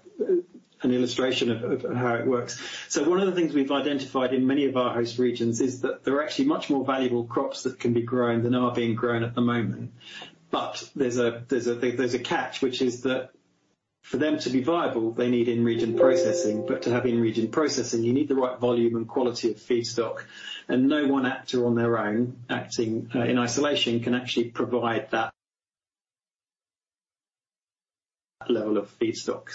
an illustration of how it works. One of the things we've identified in many of our host regions is that there are actually much more valuable crops that can be grown than are being grown at the moment. There's a catch, which is that for them to be viable, they need in-region processing. To have in-region processing, you need the right volume and quality of feedstock. No one actor on their own, acting in isolation, can actually provide that level of feedstock.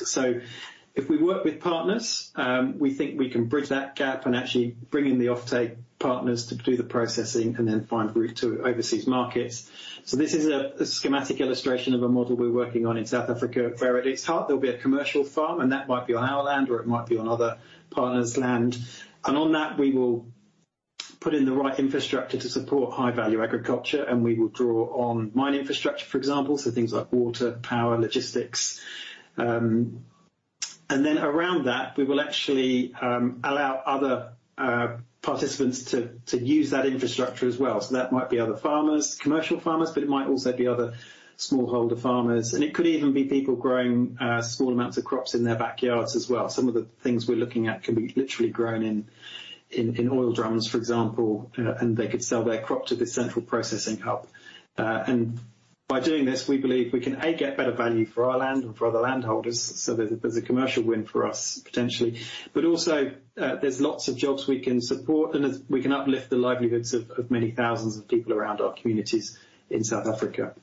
If we work with partners, we think we can bridge that gap and actually bring in the offtake partners to do the processing and then find route to overseas markets. This is a schematic illustration of a model we're working on in South Africa, where at its heart there'll be a commercial farm, and that might be on our land, or it might be on other partners land. On that, we will put in the right infrastructure to support high-value agriculture, and we will draw on mine infrastructure, for example, things like water, power, logistics. Then around that, we will actually allow other participants to use that infrastructure as well. That might be other farmers, commercial farmers, but it might also be other smallholder farmers. It could even be people growing small amounts of crops in their backyards as well. Some of the things we're looking at can be literally grown in oil drums, for example, and they could sell their crop to this central processing hub. By doing this, we believe we can, A, get better value for our land and for other landholders, so there's a commercial win for us, potentially. There's lots of jobs we can support, and we can uplift the livelihoods of many thousands of people around our communities in South Africa.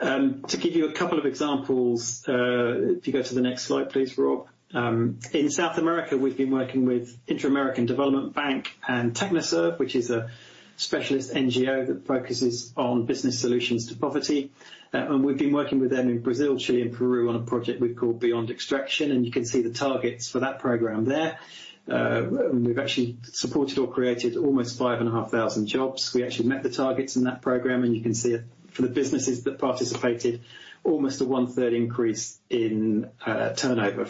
To give you a couple of examples, if you go to the next slide, please, Rob. In South America, we've been working with Inter-American Development Bank and TechnoServe, which is a specialist NGO that focuses on business solutions to poverty. We've been working with them in Brazil, Chile and Peru on a project we've called Beyond Extraction, and you can see the targets for that program there. We've actually supported or created almost 5,500 jobs. We actually met the targets in that program, and you can see it for the businesses that participated, almost a 1/3 increase in turnover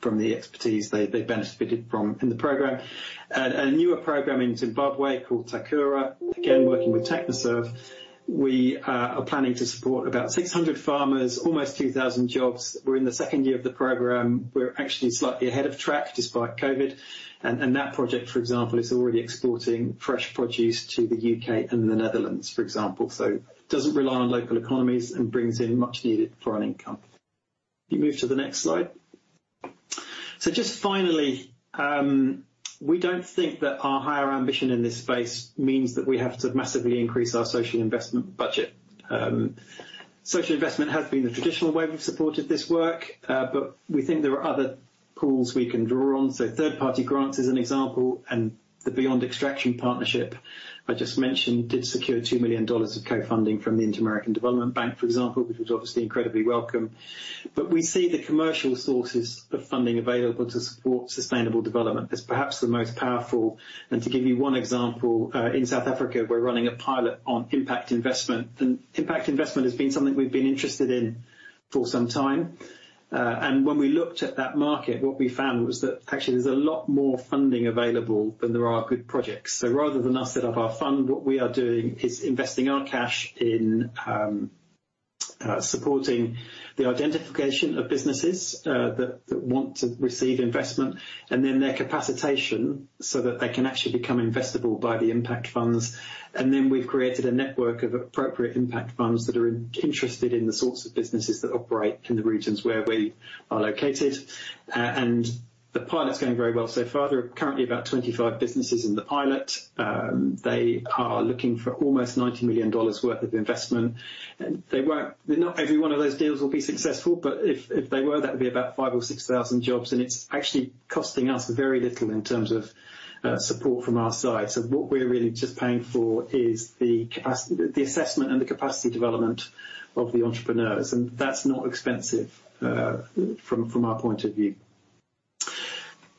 from the expertise they benefited from in the program. A newer program in Zimbabwe called Takura, again, working with TechnoServe. We are planning to support about 600 farmers, almost 2,000 jobs. We're in the second year of the program. We're actually slightly ahead of track despite COVID. That project, for example, is already exporting fresh produce to the U.K. and the Netherlands, for example. It doesn't rely on local economies and brings in much needed foreign income. Can you move to the next slide? Just finally, we don't think that our higher ambition in this space means that we have to massively increase our social investment budget. Social investment has been the traditional way we've supported this work, but we think there are other pools we can draw on. Third-party grants is an example, and the Beyond Extraction partnership I just mentioned did secure $2 million of co-funding from the Inter-American Development Bank, for example, which was obviously incredibly welcome. We see the commercial sources of funding available to support sustainable development as perhaps the most powerful. To give you one example, in South Africa, we're running a pilot on impact investment. Impact investment has been something we've been interested in for some time. When we looked at that market, what we found was that actually there's a lot more funding available than there are good projects. Rather than us set up our fund, what we are doing is investing our cash in supporting the identification of businesses that want to receive investment and then their capacitation so that they can actually become investable by the impact funds. Then we've created a network of appropriate impact funds that are interested in the sorts of businesses that operate in the regions where we are located. The pilot's going very well so far. There are currently about 25 businesses in the pilot. They are looking for almost $90 million worth of investment. Not every one of those deals will be successful, but if they were, that would be about 5,000 or 6,000 jobs. It's actually costing us very little in terms of support from our side. What we're really just paying for is the assessment and the capacity development of the entrepreneurs, and that's not expensive from our point of view.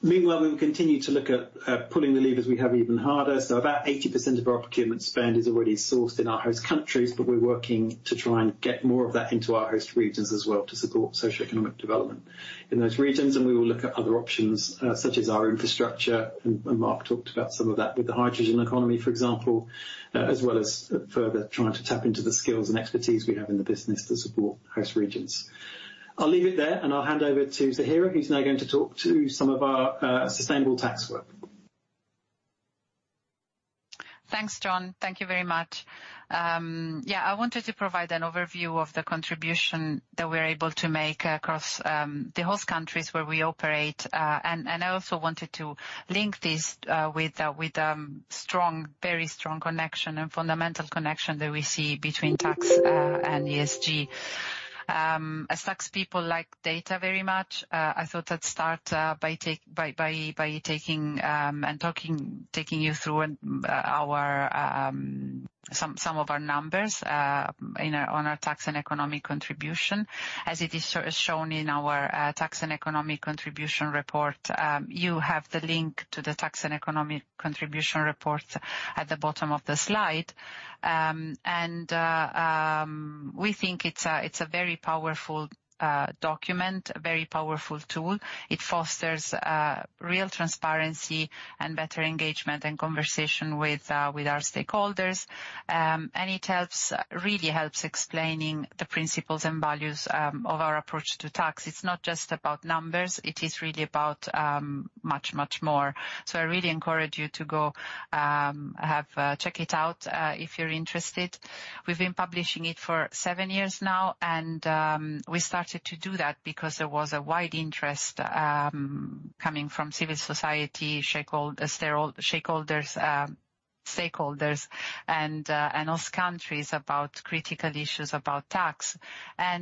Meanwhile, we will continue to look at pulling the levers we have even harder. About 80% of our procurement spend is already sourced in our host countries, but we're working to try and get more of that into our host regions as well to support socio-economic development in those regions. We will look at other options, such as our infrastructure. Mark talked about some of that with the hydrogen economy, for example, as well as further trying to tap into the skills and expertise we have in the business to support host regions. I'll leave it there, and I'll hand over to Zahira, who's now going to talk to some of our sustainable tax work. Thanks, Jon. Thank you very much. Yeah, I wanted to provide an overview of the contribution that we're able to make across the host countries where we operate. I also wanted to link this with a very strong connection and fundamental connection that we see between tax and ESG. As tax people like data very much, I thought I'd start by taking you through some of our numbers, you know, on our tax and economic contribution as it is sort of shown in our tax and economic contribution report. You have the link to the tax and economic contribution report at the bottom of the slide. We think it's a very powerful document, a very powerful tool. It fosters real transparency and better engagement and conversation with our stakeholders. It really helps explaining the principles and values of our approach to tax. It's not just about numbers, it is really about much more. I really encourage you to go check it out if you're interested. We've been publishing it for seven years now, we started to do that because there was a wide interest coming from civil society, stakeholders and host countries about critical issues about tax.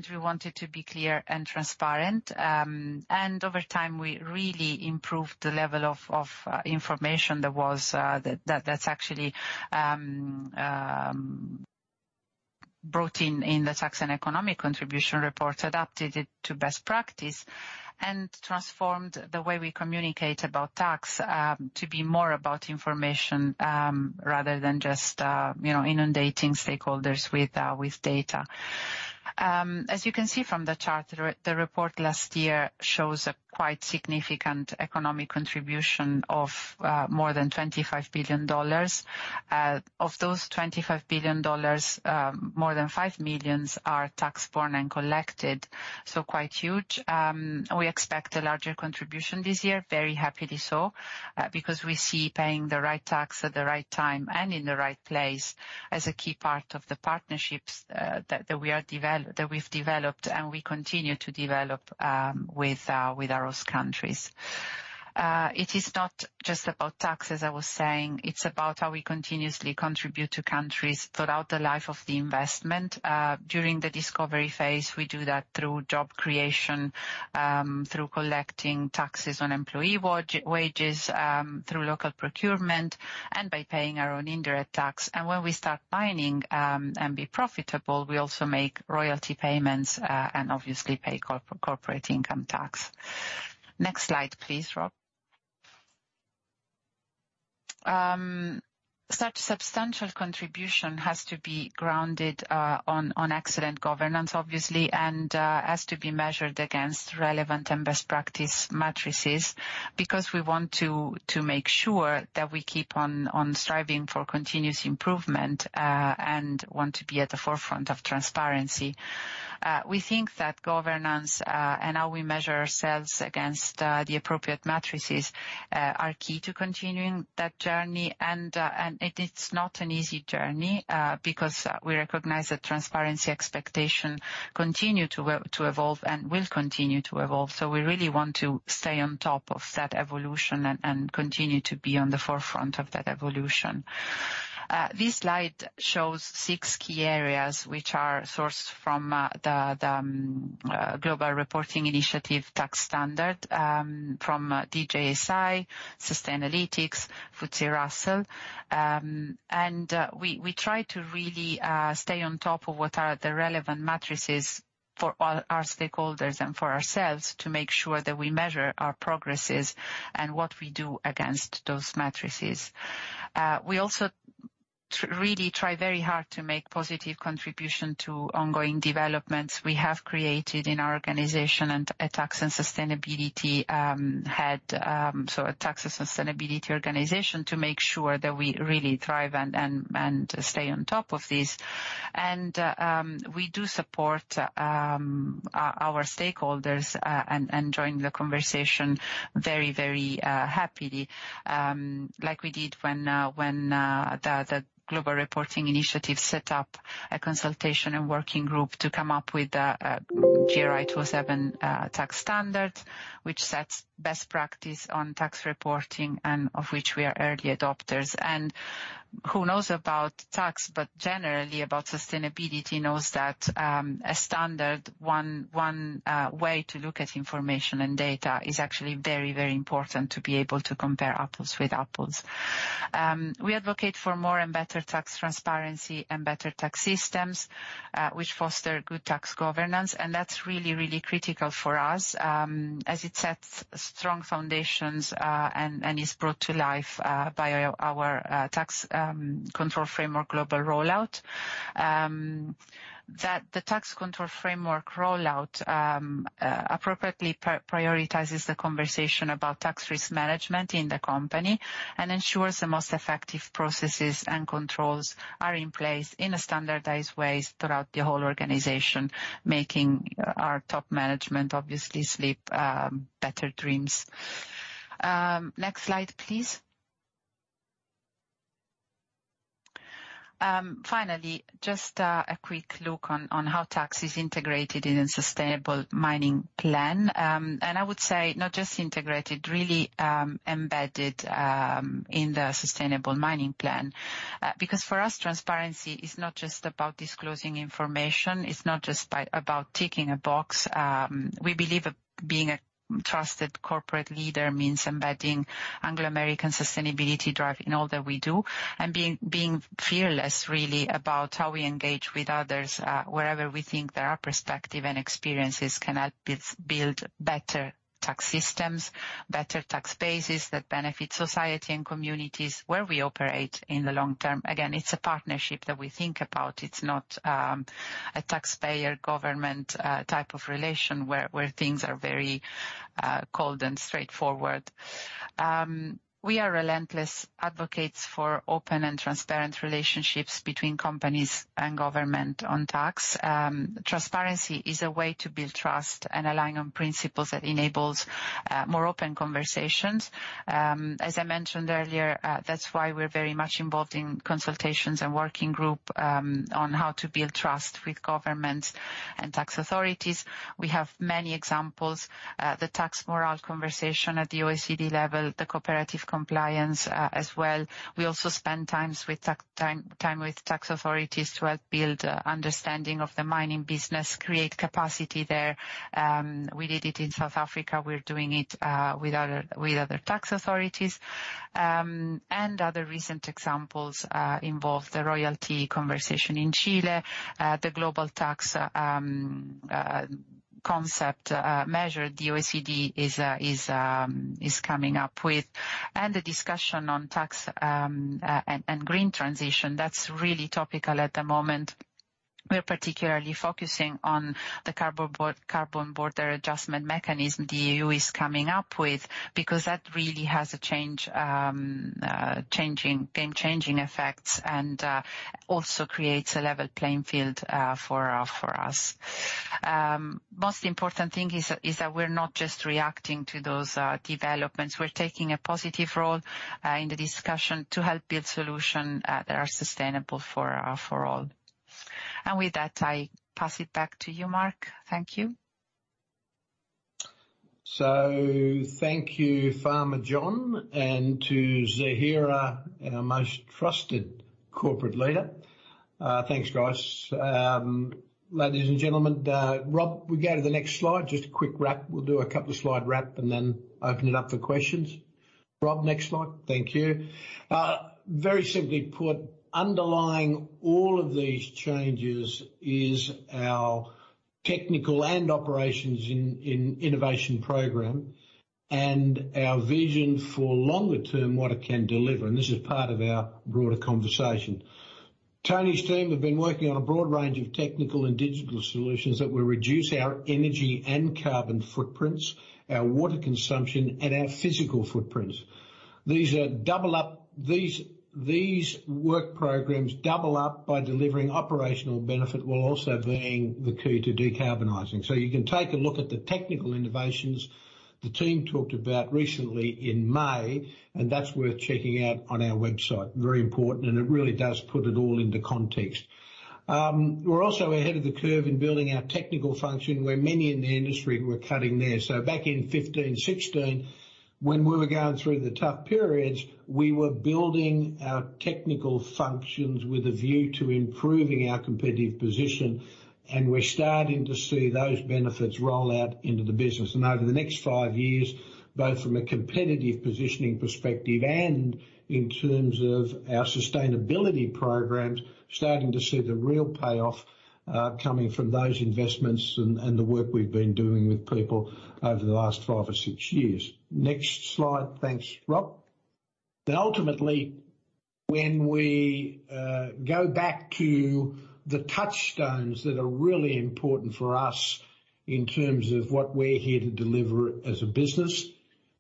We wanted to be clear and transparent. Over time, we really improved the level of information that's actually brought in in the tax and economic contribution report, adapted it to best practice and transformed the way we communicate about tax to be more about information rather than just you know, inundating stakeholders with data. As you can see from the chart, the report last year shows a quite significant economic contribution of more than $25 billion. Of those $25 billion, more than $5 million are tax borne and collected, so quite huge. We expect a larger contribution this year, very happily so, because we see paying the right tax at the right time and in the right place as a key part of the partnerships that we've developed and we continue to develop with host countries. It is not just about tax, as I was saying. It's about how we continuously contribute to countries throughout the life of the investment. During the discovery phase, we do that through job creation, through collecting taxes on employee wages, through local procurement and by paying our own indirect tax. When we start mining and be profitable, we also make royalty payments and obviously pay corporate income tax. Next slide, please, Rob. Such substantial contribution has to be grounded on excellent governance, obviously, and has to be measured against relevant and best-practice metrics because we want to make sure that we keep on striving for continuous improvement and want to be at the forefront of transparency. We think that governance and how we measure ourselves against the appropriate metrics are key to continuing that journey. It is not an easy journey because we recognize that transparency expectation continue to evolve and will continue to evolve. We really want to stay on top of that evolution and continue to be on the forefront of that evolution. This slide shows six key areas which are sourced from the Global Reporting Initiative Tax Standard from DJSI, Sustainalytics, FTSE Russell. We try to really stay on top of what are the relevant metrics for our stakeholders and for ourselves to make sure that we measure our progress and what we do against those metrics. We also really try very hard to make positive contribution to ongoing developments we have created in our organization and a tax and sustainability head, so a tax and sustainability organization to make sure that we really thrive and stay on top of this. We do support our stakeholders and join the conversation very happily, like we did when the Global Reporting Initiative set up a consultation and working group to come up with a GRI 207 tax standard, which sets best practice on tax reporting and of which we are early adopters. Who knows about tax, but generally about sustainability, knows that a standard one way to look at information and data is actually very important to be able to compare apples with apples. We advocate for more and better tax transparency and better tax systems, which foster good tax governance, and that's really critical for us, as it sets strong foundations and is brought to life by our tax control framework global rollout. That the tax control framework rollout appropriately prioritizes the conversation about tax risk management in the company and ensures the most effective processes and controls are in place in a standardized way throughout the whole organization, making our top management obviously sleep better dreams. Next slide, please. Finally, just a quick look on how tax is integrated in a Sustainable Mining Plan. I would say not just integrated, really, embedded in the Sustainable Mining Plan. Because for us, transparency is not just about disclosing information, it's not just about ticking a box. We believe being a trusted corporate leader means embedding Anglo American sustainability drive in all that we do, and being fearless really about how we engage with others, wherever we think there are perspectives and experiences can help build better tax systems, better tax bases that benefit society and communities where we operate in the long term. Again, it's a partnership that we think about. It's not a taxpayer government type of relation where things are very cold and straightforward. We are relentless advocates for open and transparent relationships between companies and government on tax. Transparency is a way to build trust and relying on principles that enables more open conversations. As I mentioned earlier, that's why we're very much involved in consultations and working group on how to build trust with governments and tax authorities. We have many examples. The tax morale conversation at the OECD level, the cooperative compliance, as well. We also spend time with tax authorities to help build understanding of the mining business, create capacity there. We did it in South Africa. We're doing it with other tax authorities. Other recent examples involve the royalty conversation in Chile, the global tax concept measure the OECD is coming up with, and the discussion on tax and green transition. That's really topical at the moment. We're particularly focusing on the Carbon Border Adjustment Mechanism the EU is coming up with, because that really has game-changing effects and also creates a level playing field for us. Most important thing is that we're not just reacting to those developments. We're taking a positive role in the discussion to help build solution that are sustainable for all. With that, I pass it back to you, Mark. Thank you. Thank you, Sam Jon and to Zahira, our most trusted corporate leader. Thanks, guys. Ladies and gentlemen, Rob, we go to the next slide, just a quick wrap. We'll do a couple slide wrap and then open it up for questions. Rob, next slide. Thank you. Very simply put, underlying all of these changes is our technical and operations in innovation program and our vision for longer term what it can deliver. This is part of our broader conversation. Tony's team have been working on a broad range of technical and digital solutions that will reduce our energy and carbon footprints, our water consumption, and our physical footprints. These work programs double up by delivering operational benefit while also being the key to decarbonizing. You can take a look at the technical innovations the team talked about recently in May, and that's worth checking out on our website. Very important, and it really does put it all into context. We're also ahead of the curve in building our technical function, where many in the industry were cutting there. Back in 15, 16, when we were going through the tough periods, we were building our technical functions with a view to improving our competitive position, and we're starting to see those benefits roll out into the business. Over the next five years, both from a competitive positioning perspective and in terms of our sustainability programs, starting to see the real payoff coming from those investments and the work we've been doing with people over the last five or six years. Next slide. Thanks, Rob. Ultimately, when we go back to the touchstones that are really important for us in terms of what we're here to deliver as a business,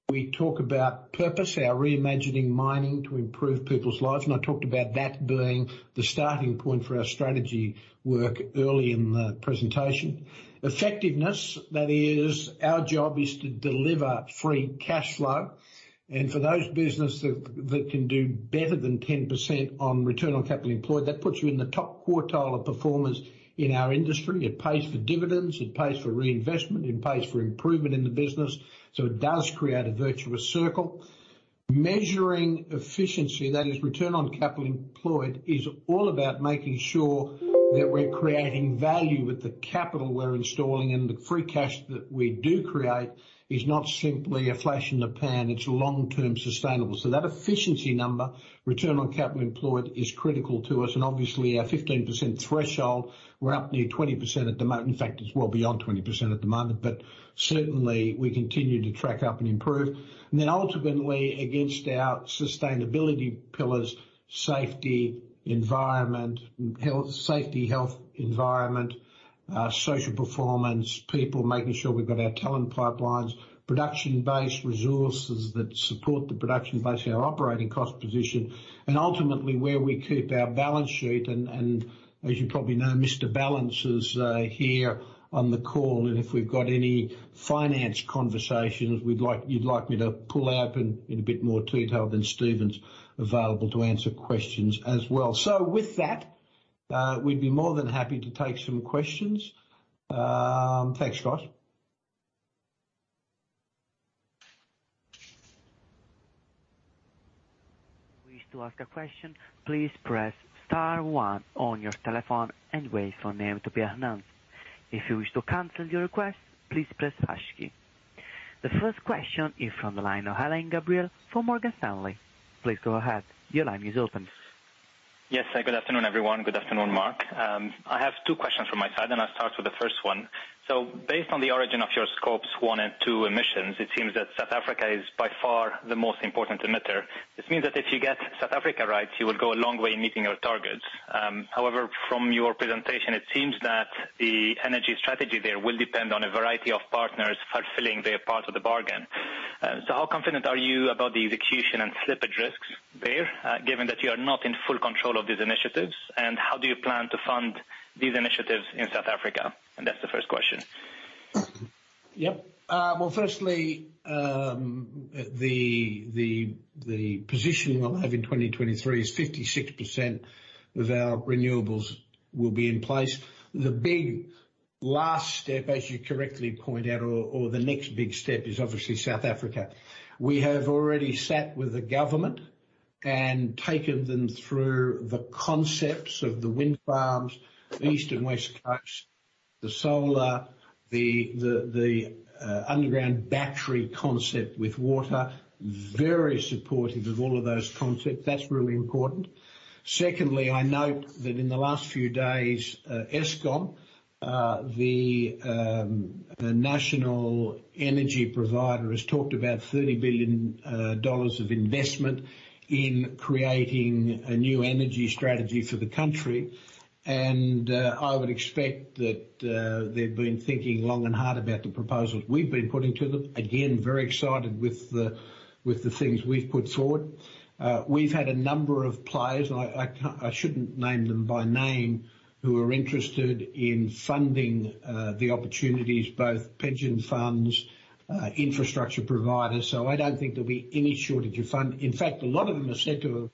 we talk about purpose, our reimagining mining to improve people's lives, and I talked about that being the starting point for our strategy work early in the presentation. Effectiveness, that is our job, is to deliver free cash flow. For those businesses that can do better than 10% on return on capital employed, that puts you in the top quartile of performers in our industry. It pays for dividends, it pays for reinvestment, it pays for improvement in the business. It does create a virtuous circle. Measuring efficiency, that is return on capital employed, is all about making sure that we're creating value with the capital we're installing, and the free cash that we do create is not simply a flash in the pan, it's long-term sustainable. That efficiency number, return on capital employed, is critical to us. Obviously our 15% threshold, we're up near 20% at the moment. In fact, it's well beyond 20% at the moment. Certainly we continue to track up and improve. Then ultimately, against our sustainability pillars, safety, health, environment, social performance, people, making sure we've got our talent pipelines, production-based resources that support the production base, our operating cost position, and ultimately where we keep our balance sheet. As you probably know, Mr Balance is here on the call, and if we've got any finance conversations you'd like me to pull out in a bit more detail, then Stephen's available to answer questions as well. With that, we'd be more than happy to take some questions. Thanks, guys. The first question is from the line of Alain Gabriel from Morgan Stanley. Please go ahead. Your line is open. Yes. Good afternoon, everyone. Good afternoon, Mark. I have two questions from my side, and I'll start with the first one. Based on the origin of your Scope 1 and Scope 2 emissions, it seems that South Africa is by far the most important emitter. This means that if you get South Africa right, you will go a long way in meeting your targets. However, from your presentation, it seems that the energy strategy there will depend on a variety of partners fulfilling their part of the bargain. How confident are you about the execution and slippage risks there, given that you are not in full control of these initiatives? How do you plan to fund these initiatives in South Africa? That's the first question. Yep. Well, firstly, the position we'll have in 2023 is 56% of our renewables will be in place. The big last step, as you correctly point out, or the next big step is obviously South Africa. We have already sat with the government and taken them through the concepts of the wind farms, the east and west coasts, the solar, the underground battery concept with water. Very supportive of all of those concepts. That's really important. Secondly, I note that in the last few days, Eskom, the national energy provider, has talked about $30 billion of investment in creating a new energy strategy for the country. I would expect that they've been thinking long and hard about the proposals we've been putting to them. Again, very excited with the things we've put forward. We've had a number of players, and I shouldn't name them by name, who are interested in funding the opportunities, both pension funds, infrastructure providers. I don't think there'll be any shortage of funding. In fact, a lot of them have said to us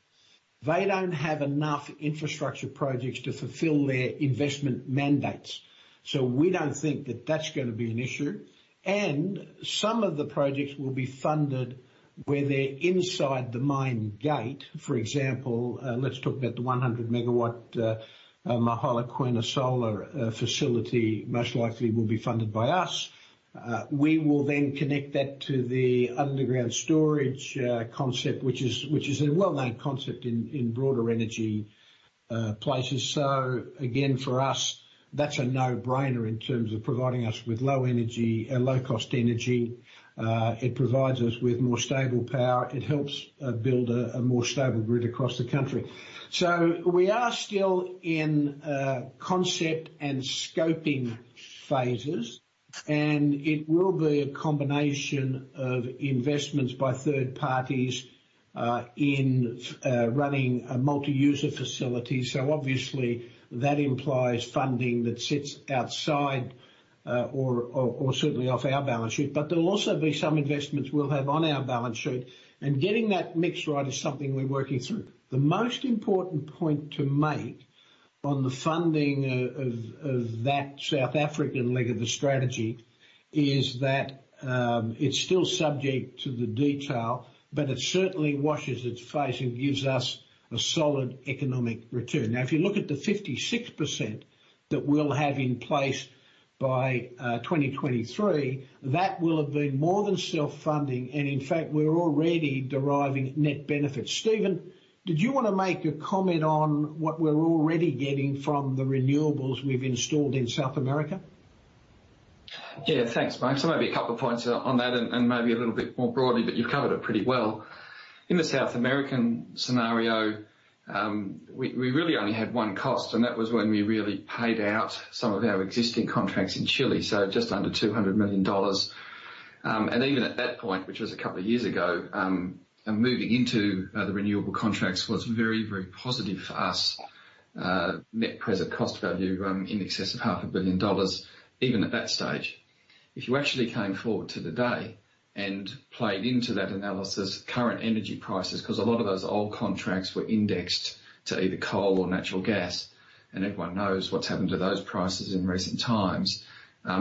they don't have enough infrastructure projects to fulfill their investment mandates. We don't think that that's gonna be an issue. Some of the projects will be funded where they're inside the mine gate. For example, let's talk about the 100-MW Mogalakwena solar facility, most likely will be funded by us. We will then connect that to the underground storage concept, which is a well-known concept in broader energy places. Again, for us, that's a no-brainer in terms of providing us with low energy, low cost energy. It provides us with more stable power. It helps build a more stable grid across the country. We are still in concept and scoping phases, and it will be a combination of investments by third parties in running a multi-user facility. Obviously that implies funding that sits outside or certainly off our balance sheet. There will also be some investments we'll have on our balance sheet. Getting that mix right is something we're working through. The most important point to make on the funding of that South African leg of the strategy is that it's still subject to the detail, but it certainly washes its face and gives us a solid economic return. Now, if you look at the 56% that we'll have in place by 2023, that will have been more than self-funding. In fact, we're already deriving net benefits. Stephen, did you wanna make a comment on what we're already getting from the renewables we've installed in South America? Yeah. Thanks, Mark. Maybe a couple of points on that and maybe a little bit more broadly, but you covered it pretty well. In the South American scenario, we really only had one cost, and that was when we really paid out some of our existing contracts in Chile, so just under $200 million. Even at that point, which was a couple of years ago, and moving into the renewable contracts, was very, very positive for us. Net present value in excess of half a billion dollars even at that stage. If you actually came forward to the day and played into that analysis current energy prices, 'cause a lot of those old contracts were indexed to either coal or natural gas, and everyone knows what's happened to those prices in recent times,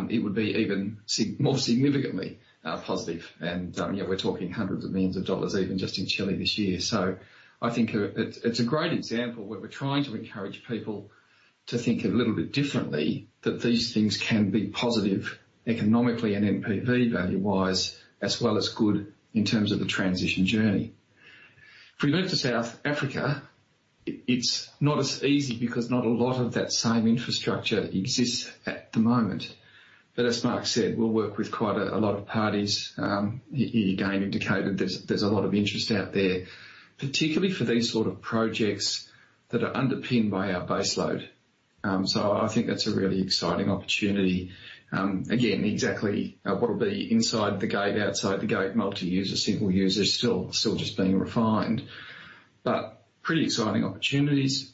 it would be even more significantly positive. Yeah, we're talking $ hundreds of millions even just in Chile this year. I think it's a great example where we're trying to encourage people to think a little bit differently, that these things can be positive economically and NPV value-wise, as well as good in terms of the transition journey. If we move to South Africa, it's not as easy because not a lot of that same infrastructure exists at the moment. As Mark said, we'll work with quite a lot of parties. You again indicated there's a lot of interest out there, particularly for these sort of projects that are underpinned by our base load. I think that's a really exciting opportunity. Again, exactly what'll be inside the gate, outside the gate, multi-user, single user is still just being refined. Pretty exciting opportunities.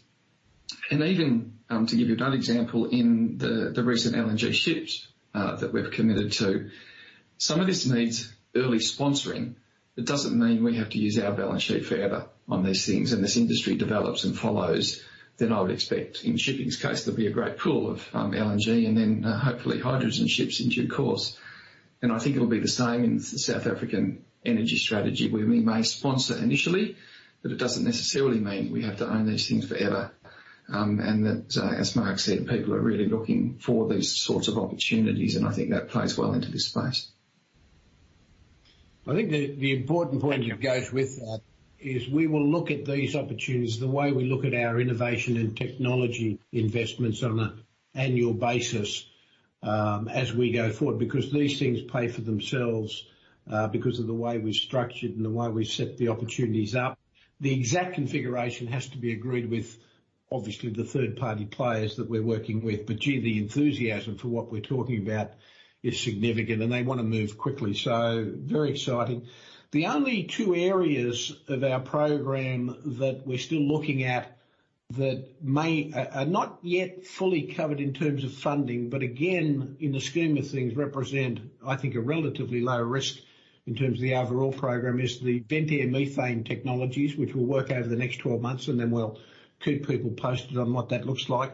Even to give you another example, in the recent LNG ships that we've committed to, some of this needs early sponsoring. It doesn't mean we have to use our balance sheet forever on these things. As industry develops and follows, then I would expect in shipping's case, there'll be a great pool of LNG and then, hopefully hydrogen ships in due course. I think it'll be the same in the South African energy strategy, where we may sponsor initially, but it doesn't necessarily mean we have to own these things forever. That, as Mark said, people are really looking for these sorts of opportunities, and I think that plays well into this space. I think the important point. Thank you. ...that goes with that is we will look at these opportunities the way we look at our innovation and technology investments on an annual basis, as we go forward. These things pay for themselves, because of the way we structure it and the way we set the opportunities up. The exact configuration has to be agreed with, obviously, the third-party players that we're working with. Gee, the enthusiasm for what we're talking about is significant, and they wanna move quickly. Very exciting. The only two areas of our program that we're still looking at that may. Are not yet fully covered in terms of funding, but again, in the scheme of things, represent, I think, a relatively low risk in terms of the overall program: the ventilation air methane technologies, which we'll work on over the next 12 months, and then we'll keep people posted on what that looks like.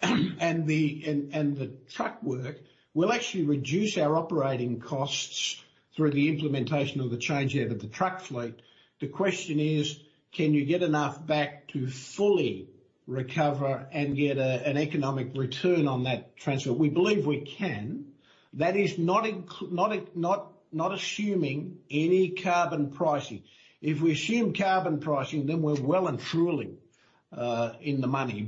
The truck work will actually reduce our operating costs through the implementation of the changeover of the truck fleet. The question is, can you get enough back to fully recover and get an economic return on that transfer? We believe we can. That is not assuming any carbon pricing. If we assume carbon pricing, then we're well and truly in the money.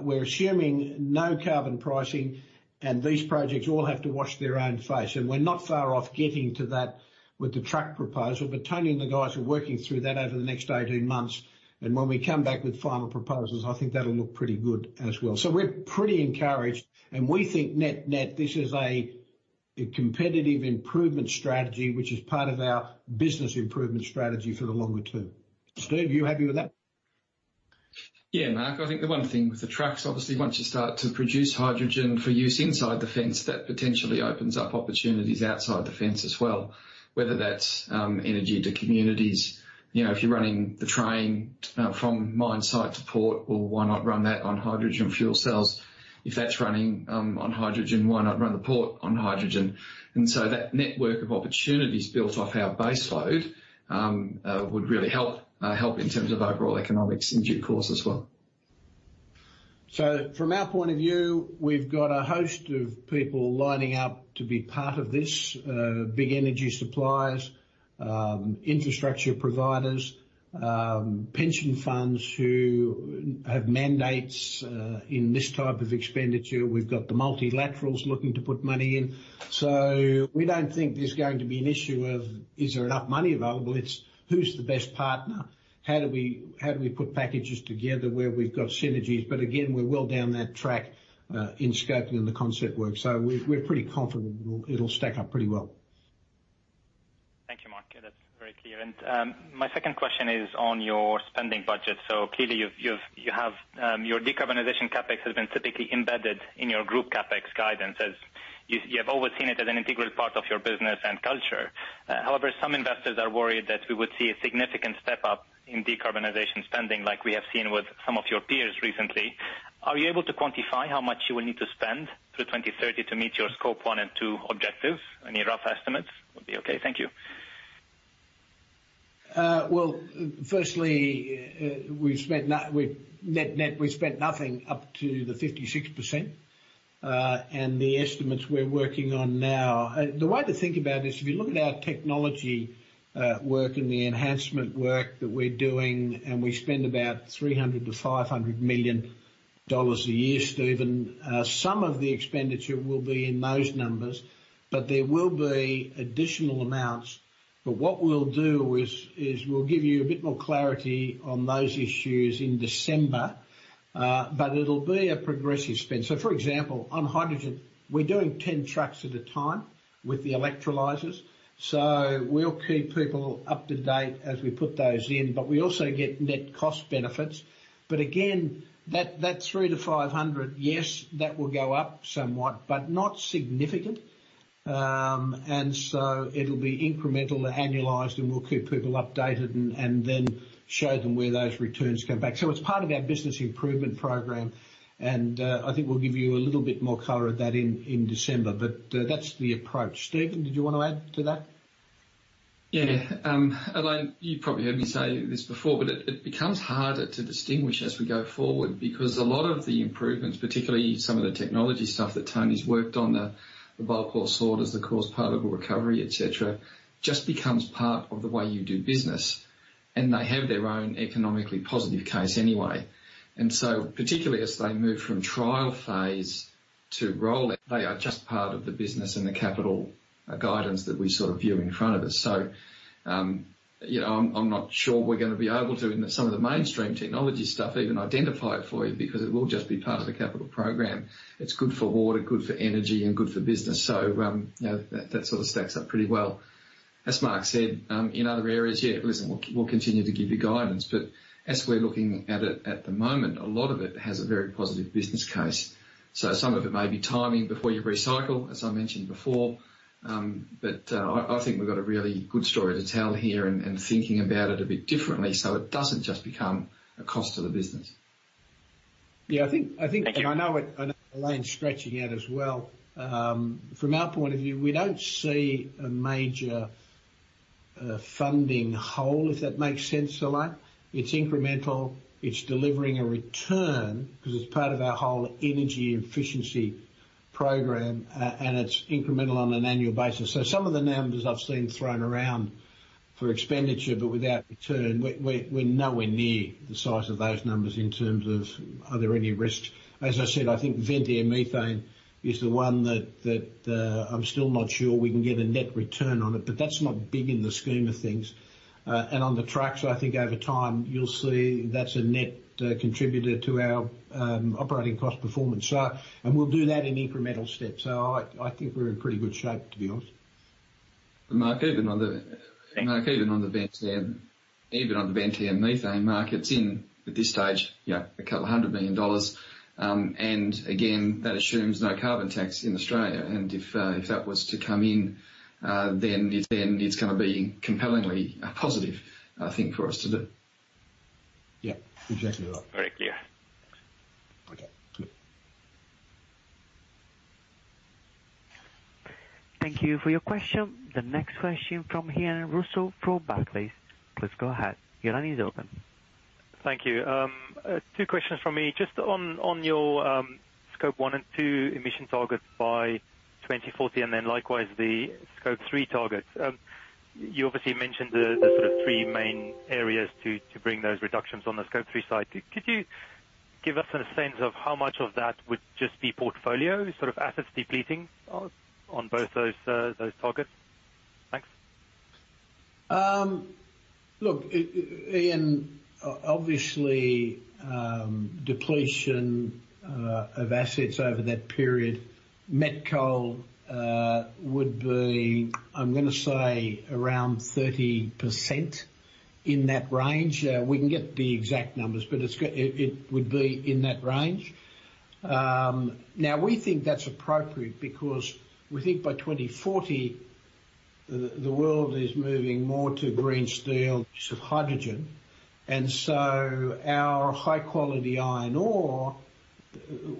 We're assuming no carbon pricing, and these projects all have to wash their own face. We're not far off getting to that with the truck proposal. Tony and the guys are working through that over the next 18 months, and when we come back with final proposals, I think that'll look pretty good as well. We're pretty encouraged, and we think net-net, this is a competitive improvement strategy, which is part of our business improvement strategy for the longer term. Steve, you happy with that? Yeah, Mark. I think the one thing with the trucks, obviously, once you start to produce hydrogen for use inside the fence, that potentially opens up opportunities outside the fence as well, whether that's energy to communities. You know, if you're running the train from mine site to port, well, why not run that on hydrogen fuel cells? If that's running on hydrogen, why not run the port on hydrogen? That network of opportunities built off our base load would really help in terms of overall economics in due course as well. From our point of view, we've got a host of people lining up to be part of this. Big energy suppliers, infrastructure providers, pension funds who have mandates in this type of expenditure. We've got the multilaterals looking to put money in. We don't think there's going to be an issue of is there enough money available? It's who's the best partner? How do we put packages together where we've got synergies? We're well down that track in scoping and the concept work, so we're pretty confident it'll stack up pretty well. Thank you, Mark. That's very clear. My second question is on your spending budget. Clearly your decarbonization CapEx has been typically embedded in your group CapEx guidance as you have always seen it as an integral part of your business and culture. However, some investors are worried that we would see a significant step-up in decarbonization spending like we have seen with some of your peers recently. Are you able to quantify how much you will need to spend through 2030 to meet your Scope 1 and 2 objectives? Any rough estimates would be okay. Thank you. Well, firstly, net-net, we've spent nothing up to the 56%. The estimates we're working on now, the way to think about this, if you look at our technology work and the enhancement work that we're doing, and we spend about $300 million-$500 million a year, Stephen, some of the expenditure will be in those numbers. There will be additional amounts. What we'll do is we'll give you a bit more clarity on those issues in December. It'll be a progressive spend. For example, on hydrogen, we're doing 10 trucks at a time with the electrolyzers. We'll keep people up to date as we put those in, but we also get net cost benefits. Again, that $300 million-$500 million, yes, that will go up somewhat, but not significantly. It'll be incremental annualized, and we'll keep people updated and then show them where those returns come back. It's part of our business improvement program, and I think we'll give you a little bit more color on that in December. That's the approach. Stephen, did you want to add to that? Yeah. Alain, you probably heard me say this before, but it becomes harder to distinguish as we go forward because a lot of the improvements, particularly some of the technology stuff that Tony's worked on, the bulk ore sorters, the coarse particle recovery, et cetera, just becomes part of the way you do business. They have their own economically positive case anyway. Particularly as they move from trial phase to rolling, they are just part of the business and the capital guidance that we sort of view in front of us. You know, I'm not sure we're gonna be able to in some of the mainstream technology stuff even identify it for you because it will just be part of the capital program. It's good for water, good for energy, and good for business. You know, that sort of stacks up pretty well. As Mark said, in other areas, yeah, listen, we'll continue to give you guidance. As we're looking at it at the moment, a lot of it has a very positive business case. Some of it may be timing before you recycle, as I mentioned before. I think we've got a really good story to tell here and thinking about it a bit differently so it doesn't just become a cost to the business. Yeah, I think. Thank you. I know it, I know Alain's stretching out as well. From our point of view, we don't see a major funding hole, if that makes sense, Alain. It's incremental, it's delivering a return because it's part of our whole energy efficiency program, and it's incremental on an annual basis. Some of the numbers I've seen thrown around for expenditure but without return, we're nowhere near the size of those numbers in terms of are there any risks. As I said, I think Ventilation Air Methane is the one that I'm still not sure we can get a net return on it, but that's not big in the scheme of things. On the trucks, I think over time you'll see that's a net contributor to our operating cost performance. We'll do that in incremental steps. I think we're in pretty good shape, to be honest. Mark, even on the. Thanks. Mark, even on the vent air methane, Mark, it's in at this stage, you know, $200 million. Again, that assumes no carbon tax in Australia. If that was to come in, then it's gonna be compellingly positive, I think, for us to do. Yeah, exactly right. Very clear. Okay, cool. Thank you for your question. The next question from Ian Rossouw from Barclays. Please go ahead. Your line is open. Thank you. Two questions from me. Just on your Scope 1 and 2 emission targets by 2040, and then likewise the Scope 3 targets. You obviously mentioned the sort of three main areas to bring those reductions on the Scope 3 side. Could you give us a sense of how much of that would just be portfolio sort of assets depleting on both those targets? Thanks. Look, Ian, obviously, depletion of assets over that period, met coal would be, I'm gonna say, around 30%, in that range. We can get the exact numbers, but it would be in that range. Now we think that's appropriate because we think by 2040, the world is moving more to green steel, use of hydrogen. Our high-quality iron ore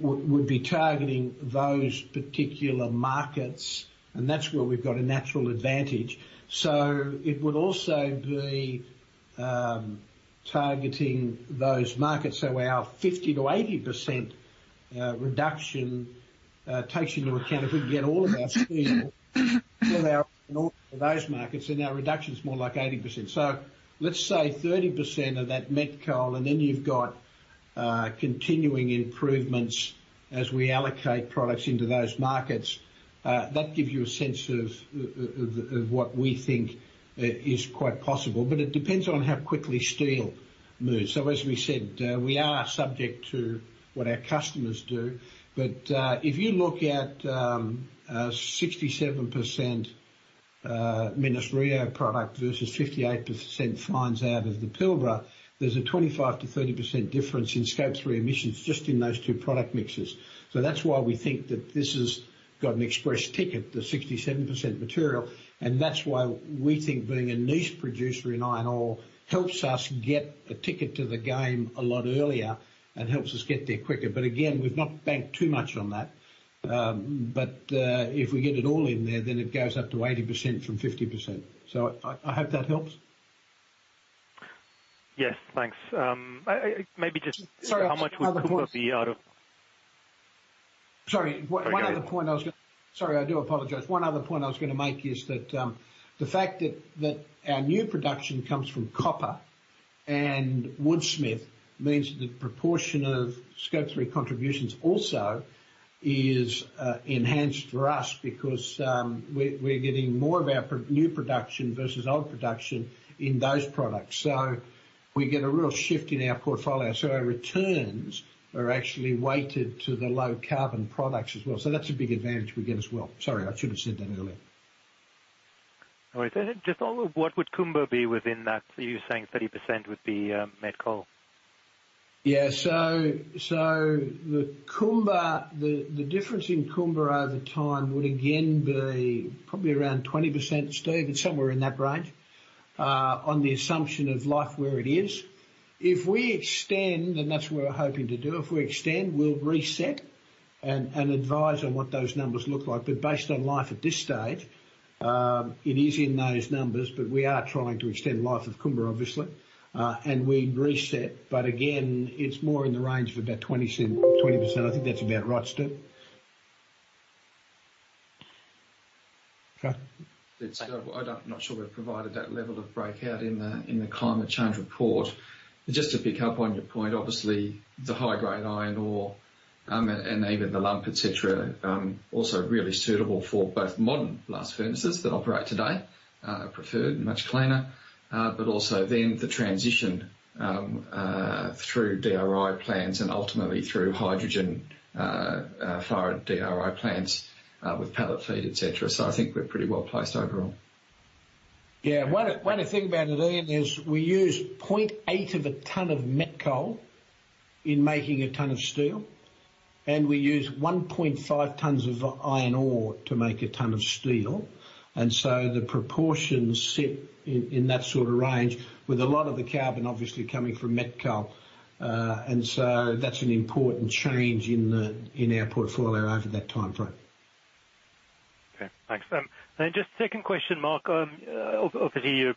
would be targeting those particular markets, and that's where we've got a natural advantage. It would also be targeting those markets. Our 50%-80% reduction takes into account if we can get all of our steel for those markets, then our reduction is more like 80%. Let's say 30% of that met coal, and then you've got continuing improvements as we allocate products into those markets. That gives you a sense of what we think is quite possible, but it depends on how quickly steel moves. As we said, we are subject to what our customers do. If you look at 67% Minas-Rio product versus 58% fines out of the Pilbara, there's a 25%-30% difference in Scope 3 emissions just in those two product mixes. That's why we think that this has got an express ticket, the 67% material, and that's why we think being a niche producer in iron ore helps us get a ticket to the game a lot earlier and helps us get there quicker. Again, we've not banked too much on that. if we get it all in there, then it goes up to 80% from 50%. I hope that helps. Yes, thanks. Maybe just- Sorry, one other point. How much would Kumba be out of- Sorry. One other point I was g- There you go. Sorry, I do apologize. One other point I was gonna make is that the fact that our new production comes from copper and Woodsmith means that proportion of Scope 3 contributions also is enhanced for us because we're getting more of our new production versus old production in those products. We get a real shift in our portfolio. Our returns are actually weighted to the low carbon products as well. That's a big advantage we get as well. Sorry, I should've said that earlier. No worries. Just on what would Kumba be within that? You're saying 30% would be metallurgical coal. Yeah. The Kumba, the difference in Kumba over time would again be probably around 20%, Steve. It's somewhere in that range, on the assumption of life where it is. If we extend, and that's what we're hoping to do, we'll reset and advise on what those numbers look like. Based on life at this stage, it is in those numbers, but we are trying to extend life of Kumba, obviously. We'd reset, but again, it's more in the range of about 20%. I think that's about right, Steve. Okay. It's, I'm not sure we've provided that level of breakout in the climate change report. Just to pick up on your point, obviously, the high-grade iron ore and even the lump, et cetera, also really suitable for both modern blast furnaces that operate today, preferred and much cleaner, but also then the transition through DRI plants and ultimately through hydrogen fired DRI plants with pellet feed, et cetera. I think we're pretty well-placed overall. One thing about it, Ian, is we use 0.8 of a ton of metallurgical coal in making a ton of steel. We use 1.5 tons of iron ore to make a ton of steel. The proportions sit in that sort of range with a lot of the carbon obviously coming from met coal. That's an important change in our portfolio over that time frame. Okay, thanks. Just second question, Mark. Obviously you're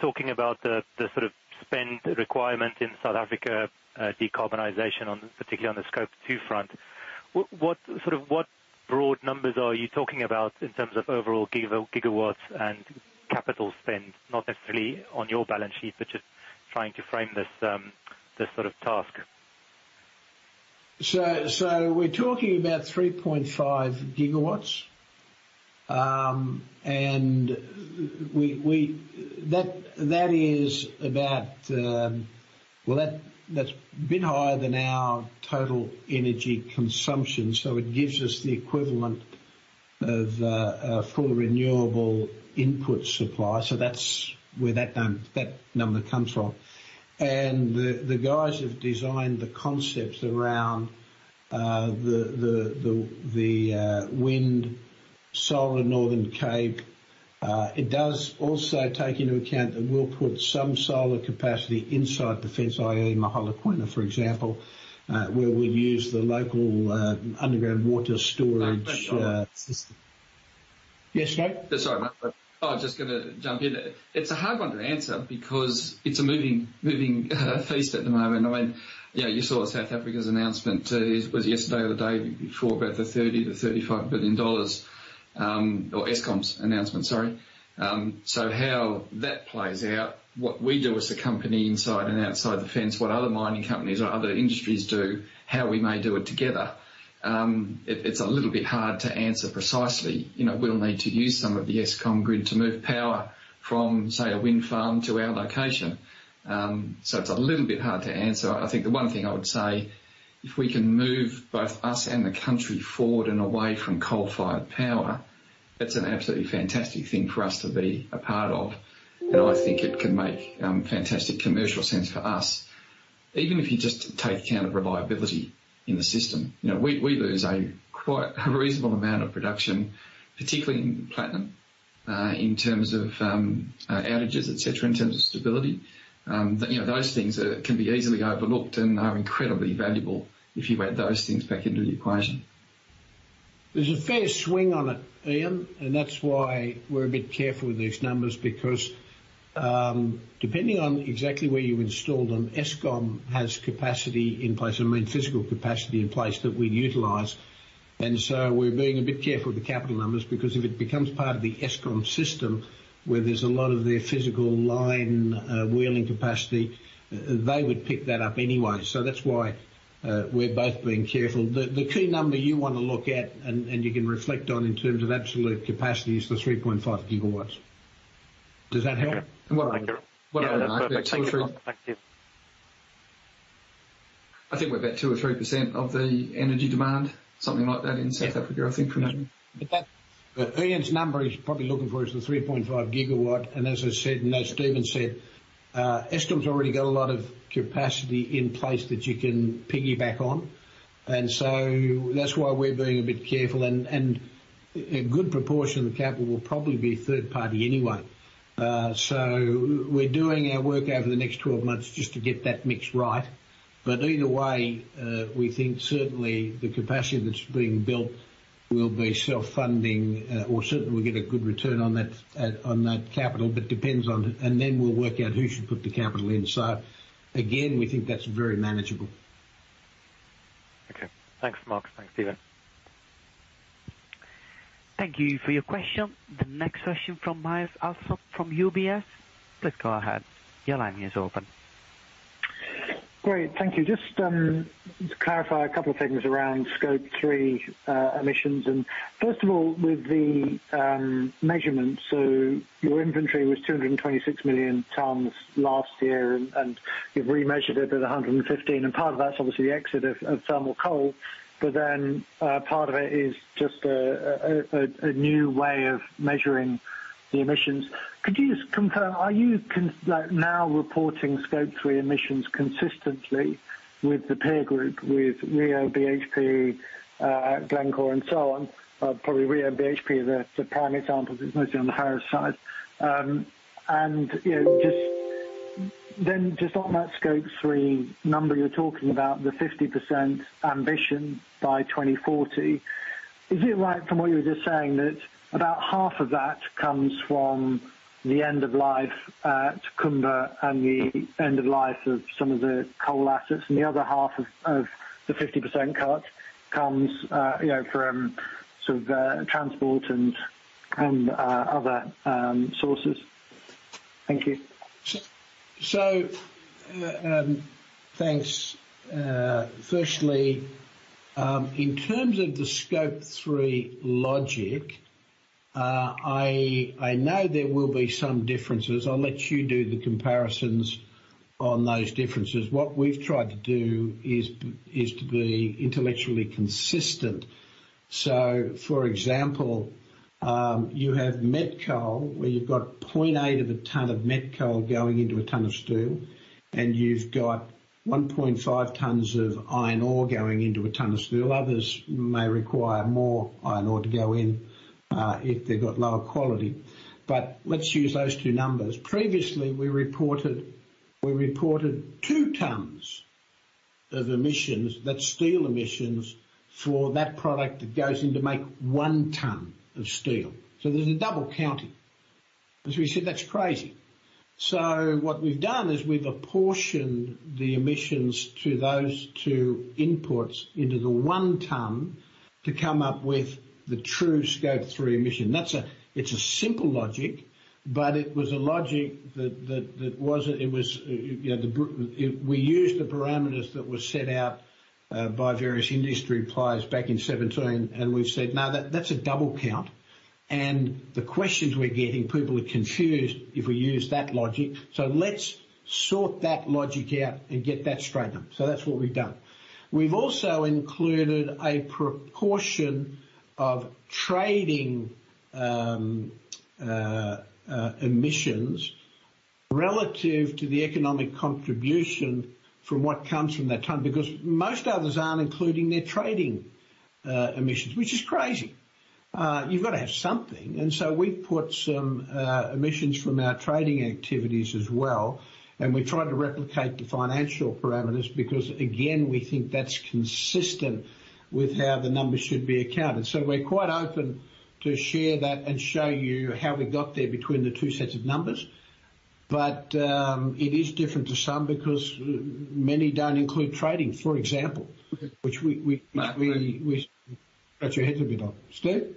talking about the sort of spend requirement in South Africa, decarbonization, particularly on the Scope 2 front. What sort of broad numbers are you talking about in terms of overall gigawatts and capital spend? Not necessarily on your balance sheet, but just trying to frame this sort of task. We're talking about 3.5 GW. That is about. That's a bit higher than our total energy consumption, so it gives us the equivalent of a full renewable input supply. That's where that number comes from. The guys have designed the concepts around the wind solar Northern Cape. It does also take into account that we'll put some solar capacity inside the fence, i.e. Mogalakwena, for example, where we'll use the local underground water storage. Mark, can I jump in? Yes, Steve. Sorry, Mark. I was just gonna jump in. It's a hard one to answer because it's a moving feast at the moment. I mean, yeah, you saw South Africa's announcement. It was yesterday or the day before, about the $30 billion-$35 billion or Eskom's announcement, sorry. How that plays out, what we do as a company inside and outside the fence, what other mining companies or other industries do, how we may do it together, it's a little bit hard to answer precisely. You know, we'll need to use some of the Eskom grid to move power from, say, a wind farm to our location. It's a little bit hard to answer. I think the one thing I would say, if we can move both us and the country forward and away from coal-fired power, that's an absolutely fantastic thing for us to be a part of. I think it can make fantastic commercial sense for us, even if you just take account of reliability in the system. You know, we lose a quite reasonable amount of production, particularly in platinum, in terms of outages, et cetera, in terms of stability. You know, those things can be easily overlooked and are incredibly valuable if you add those things back into the equation. There's a fair swing on it, Ian. That's why we're a bit careful with these numbers because, depending on exactly where you install them, Eskom has capacity in place. I mean physical capacity in place that we utilize. We're being a bit careful with the capital numbers because if it becomes part of the Eskom system, where there's a lot of their physical line, wheeling capacity, they would pick that up anyway. That's why we're both being careful. The key number you wanna look at and you can reflect on in terms of absolute capacity is the 3.5 gigawatts. Does that help? Okay. What I- Thank you. What I- Yeah, that's perfect. Thank you. For sure. Thank you. I think we're about 2 or 3% of the energy demand, something like that in South Africa, I think. Ian's number he's probably looking for is the 3.5 GW. As I said, as Stephen said, Eskom's already got a lot of capacity in place that you can piggyback on. That's why we're being a bit careful and a good proportion of the capital will probably be third party anyway. We're doing our work over the next 12 months just to get that mix right. Either way, we think certainly the capacity that's being built will be self-funding, or certainly we'll get a good return on that, on that capital, but depends on. Then we'll work out who should put the capital in. Again, we think that's very manageable. Okay. Thanks, Mark. Thanks, Stephen. Thank you for your question. The next question from Myles Allsop from UBS. Please go ahead. Your line is open. Great. Thank you. Just to clarify a couple of things around Scope 3 emissions. First of all, with the measurements. Your inventory was 226 million tons last year, and you've remeasured it at 115. Part of that's obviously the exit of thermal coal. Part of it is just a new way of measuring the emissions. Could you just confirm, are you like now reporting Scope 3 emissions consistently with the peer group, with Rio, BHP, Glencore and so on? Probably Rio and BHP are the prime examples. It's mostly on the higher side. You know, just on that Scope 3 number you're talking about, the 50% ambition by 2040. Is it right from what you were just saying that about half of that comes from the end of life at Kumba and the end of life of some of the coal assets, and the other half of the 50% cut comes from sort of transport and other sources? Thank you. Thanks. Firstly, in terms of the Scope 3 logic, I know there will be some differences. I'll let you do the comparisons on those differences. What we've tried to do is to be intellectually consistent. For example, you have metallurgical coal, where you've got 0.8 of a ton of metallurgical coal going into a ton of steel, and you've got 1.5 tons of iron ore going into a ton of steel. Others may require more iron ore to go in if they've got lower quality. But let's use those two numbers. Previously, we reported 2 tons of emissions, that's steel emissions, for that product that goes in to make 1 ton of steel. There's a double counting. As we said, that's crazy. What we've done is we've apportioned the emissions to those two inputs into the 1 ton to come up with the true Scope 3 emission. It's a simple logic, but it was a logic that wasn't. You know, we used the parameters that were set out by various industry players back in 2017, and we've said, "No, that's a double count. The questions we're getting, people are confused if we use that logic. Let's sort that logic out and get that straightened up." That's what we've done. We've also included a proportion of trading emissions relative to the economic contribution from what comes from that ton, because most others aren't including their trading emissions, which is crazy. You've got to have something. We've put some emissions from our trading activities as well, and we've tried to replicate the financial parameters because, again, we think that's consistent with how the numbers should be accounted. We're quite open to share that and show you how we got there between the two sets of numbers. It is different to some because many don't include trading, for example, which we scratch our heads a bit on. Steve?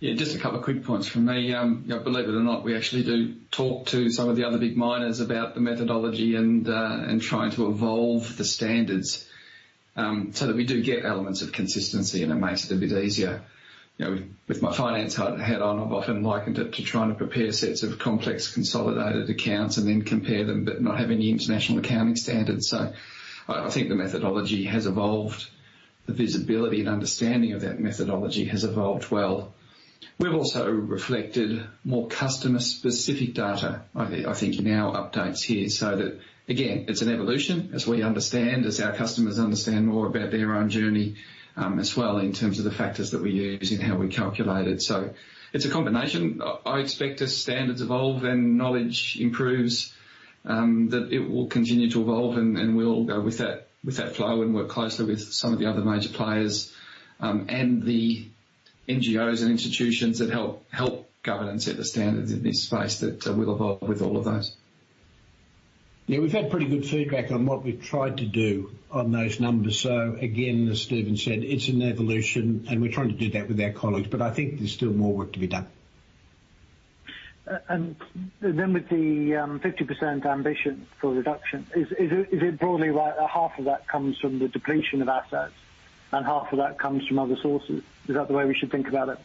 Yeah, just a couple of quick points from me. Believe it or not, we actually do talk to some of the other big miners about the methodology and trying to evolve the standards, so that we do get elements of consistency and it makes it a bit easier. You know, with my finance hat on, I've often likened it to trying to prepare sets of complex consolidated accounts and then compare them, but not have any international accounting standards. I think the methodology has evolved. The visibility and understanding of that methodology has evolved well. We've also reflected more customer-specific data, I think, in our updates here, so that again, it's an evolution as we understand, as our customers understand more about their own journey, as well in terms of the factors that we use and how we calculate it. It's a combination. I expect as standards evolve and knowledge improves, that it will continue to evolve and we'll go with that flow and work closely with some of the other major players, and the NGOs and institutions that help govern and set the standards in this space that we'll evolve with all of those. Yeah, we've had pretty good feedback on what we've tried to do on those numbers. Again, as Stephen said, it's an evolution and we're trying to do that with our colleagues, but I think there's still more work to be done. With the 50% ambition for reduction, is it broadly right that half of that comes from the depletion of assets and half of that comes from other sources? Is that the way we should think about it?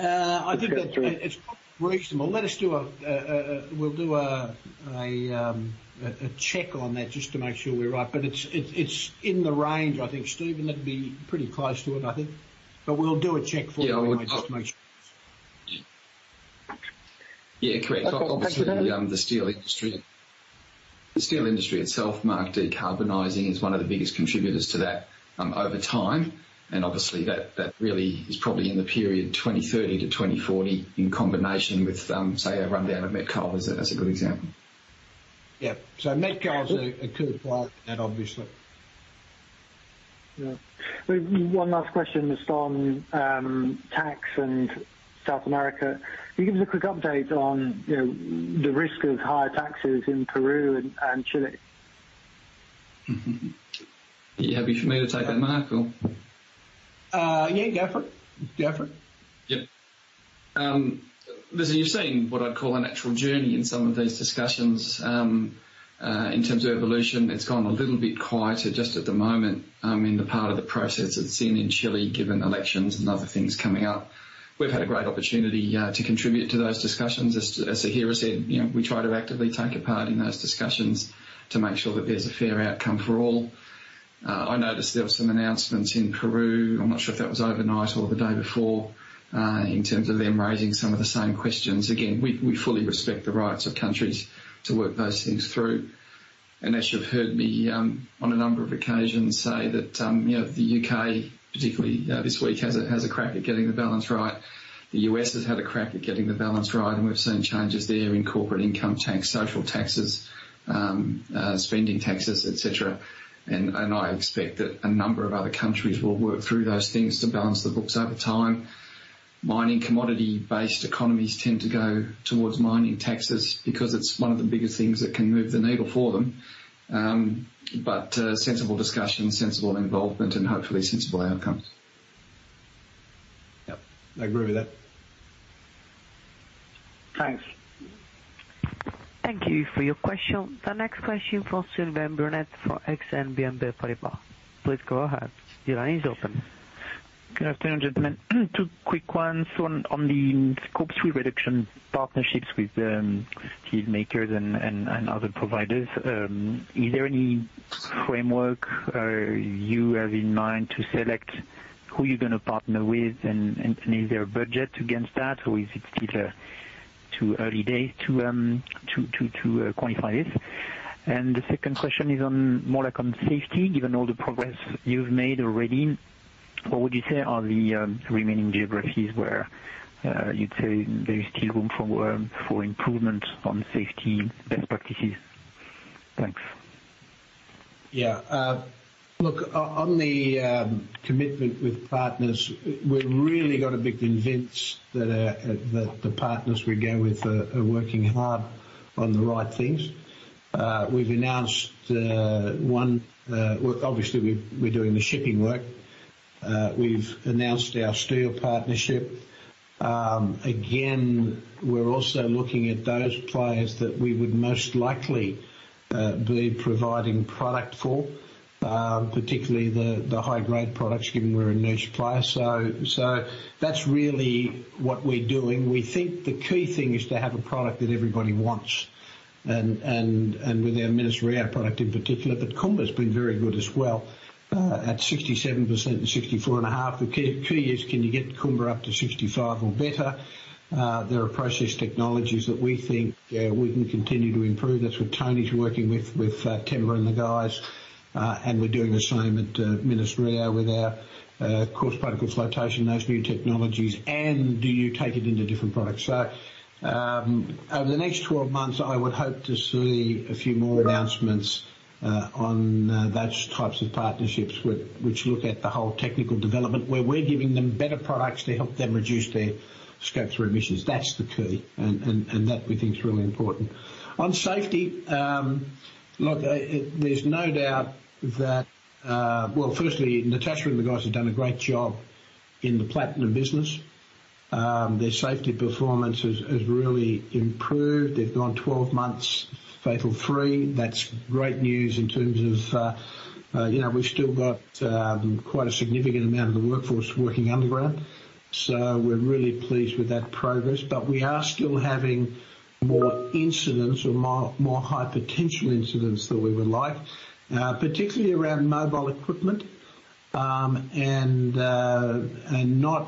I think that it's reasonable. Let us do a check on that just to make sure we're right. It's in the range. I think, Stephen, that'd be pretty close to it, I think. We'll do a check for you just to make sure. Yeah. Yeah, correct. Thank you very much. Obviously, the steel industry itself, Mark, decarbonizing is one of the biggest contributors to that, over time. Obviously that really is probably in the period 2030-2040 in combination with, say, a rundown of metallurgical coal as a good example. Yeah. Metallurgical coal is a good part of that, obviously. Yeah. One last question just on tax and South America. Can you give us a quick update on, you know, the risk of higher taxes in Peru and Chile? Are you happy for me to take that, Mark, or? Yeah, go for it. Yep. Listen, you're seeing what I'd call an actual journey in some of these discussions in terms of evolution. It's gone a little bit quieter just at the moment in the part of the process that's seen in Chile, given elections and other things coming up. We've had a great opportunity to contribute to those discussions. As Zahira said, you know, we try to actively take a part in those discussions to make sure that there's a fair outcome for all. I noticed there were some announcements in Peru. I'm not sure if that was overnight or the day before, in terms of them raising some of the same questions. Again, we fully respect the rights of countries to work those things through. As you've heard me on a number of occasions say that, you know, the U.K., particularly this week, has a crack at getting the balance right. The U.S. has had a crack at getting the balance right, and we've seen changes there in corporate income tax, social taxes, spending taxes, et cetera. I expect that a number of other countries will work through those things to balance the books over time. Mining commodity-based economies tend to go towards mining taxes because it's one of the biggest things that can move the needle for them. Sensible discussion, sensible involvement and hopefully sensible outcomes. Yep, I agree with that. Thanks. Thank you for your question. The next question from Sylvain Brunet for Exane BNP Paribas. Please go ahead. Your line is open. Good afternoon, gentlemen. Two quick ones on the Scope 3 reduction partnerships with steelmakers and other providers. Is there any framework you have in mind to select who you're gonna partner with, and is there a budget against that, or is it still too early days to quantify this. The second question is more like on safety. Given all the progress you've made already, what would you say are the remaining geographies where you'd say there is still room for improvement on safety best practices? Thanks. Look, on the commitment with partners, we've really got to be convinced that the partners we go with are working hard on the right things. We've announced one. Well, obviously we're doing the shipping work. We've announced our steel partnership. Again, we're also looking at those players that we would most likely be providing product for, particularly the high-grade products, given we're a niche player. So that's really what we're doing. We think the key thing is to have a product that everybody wants and with our Minas-Rio product in particular. Kumba has been very good as well at 67% and 64.5. The key is can you get Kumba up to 65% or better? There are process technologies that we think we can continue to improve. That's what Tony's working with Themba and the guys. We're doing the same at Minas-Rio with our Coarse Particle Flotation, those new technologies. Do you take it into different products? Over the next 12 months, I would hope to see a few more announcements on those types of partnerships with which look at the whole technical development, where we're giving them better products to help them reduce their Scope 3 emissions. That's the key. That we think is really important. On safety, look, there's no doubt that. Well, firstly, Natasha and the guys have done a great job in the platinum business. Their safety performance has really improved. They've gone 12 months fatal-free. That's great news in terms of, you know, we've still got quite a significant amount of the workforce working underground. We're really pleased with that progress. We are still having more incidents or more high potential incidents than we would like, particularly around mobile equipment, and not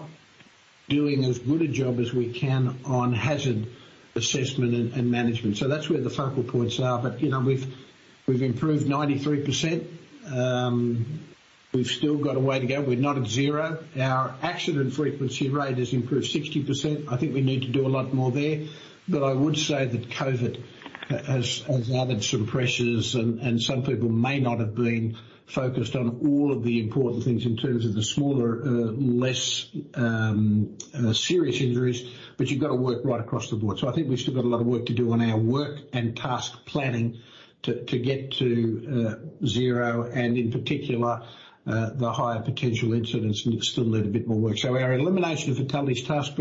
doing as good a job as we can on hazard assessment and management. That's where the focal points are. You know, we've improved 93%. We've still got a way to go. We're not at zero. Our accident frequency rate has improved 60%. I think we need to do a lot more there. I would say that COVID has added some pressures and some people may not have been focused on all of the important things in terms of the smaller, less serious injuries. You've got to work right across the board. I think we've still got a lot of work to do on our work and task planning to get to zero and in particular, the higher potential incidents need still a little bit more work. Our Elimination of Fatalities Task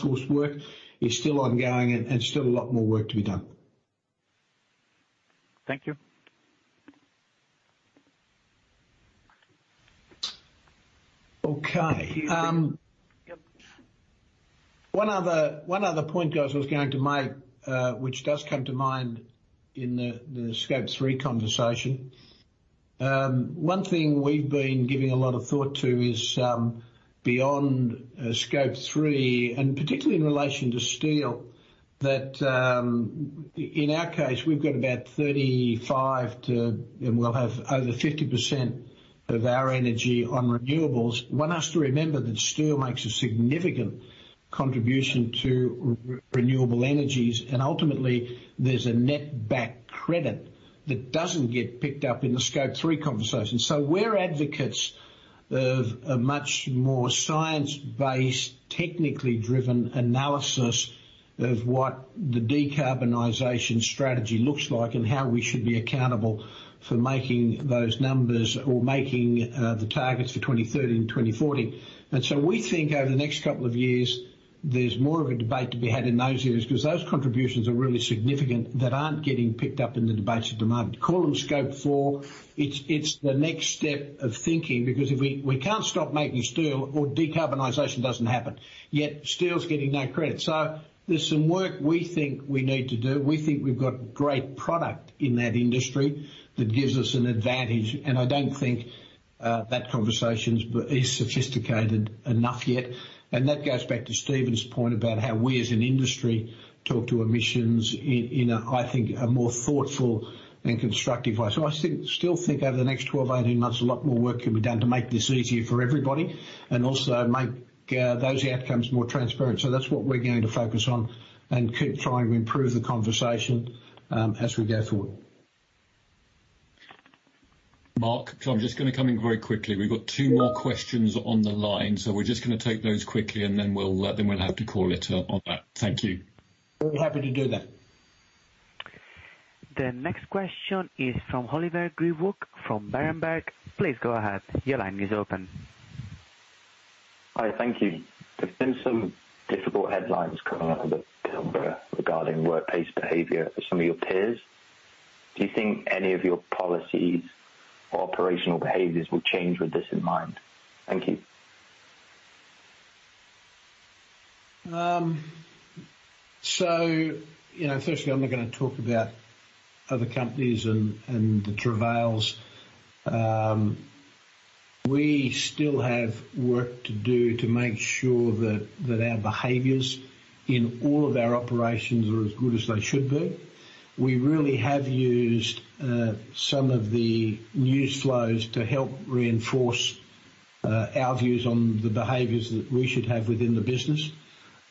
Force work is still ongoing and still a lot more work to be done. Thank you. Okay. One other point, guys, I was going to make, which does come to mind in the Scope 3 conversation. One thing we've been giving a lot of thought to is beyond Scope 3, and particularly in relation to steel, that in our case, we've got about 35 to and we'll have over 50% of our energy on renewables. One has to remember that steel makes a significant contribution to renewable energies. Ultimately there's a net back credit that doesn't get picked up in the Scope 3 conversation. We're advocates of a much more science-based, technically driven analysis of what the decarbonization strategy looks like and how we should be accountable for making those numbers or making the targets for 2030 and 2040. We think over the next couple of years, there's more of a debate to be had in those areas, 'cause those contributions are really significant that aren't getting picked up in the debates at the moment. Call them Scope 4. It's the next step of thinking because if we can't stop making steel or decarbonization doesn't happen. Yet steel's getting no credit. There's some work we think we need to do. We think we've got great product in that industry that gives us an advantage. I don't think that conversation is sophisticated enough yet. That goes back to Stephen's point about how we as an industry talk to emissions in a more thoughtful and constructive way. I still think over the next 12, 18 months, a lot more work can be done to make this easier for everybody and also make those outcomes more transparent. That's what we're going to focus on and keep trying to improve the conversation as we go forward. Mark, I'm just gonna come in very quickly. We've got two more questions on the line, so we're just gonna take those quickly and then we'll have to call it on that. Thank you. Happy to do that. The next question is from Oliver Grewcock, from Berenberg. Please go ahead. Your line is open. Hi. Thank you. There's been some difficult headlines coming out of Kumba regarding workplace behavior for some of your peers. Do you think any of your policies or operational behaviors will change with this in mind? Thank you. You know, firstly, I'm not gonna talk about other companies and the travails. We still have work to do to make sure that our behaviors in all of our operations are as good as they should be. We really have used some of the news flows to help reinforce our views on the behaviors that we should have within the business.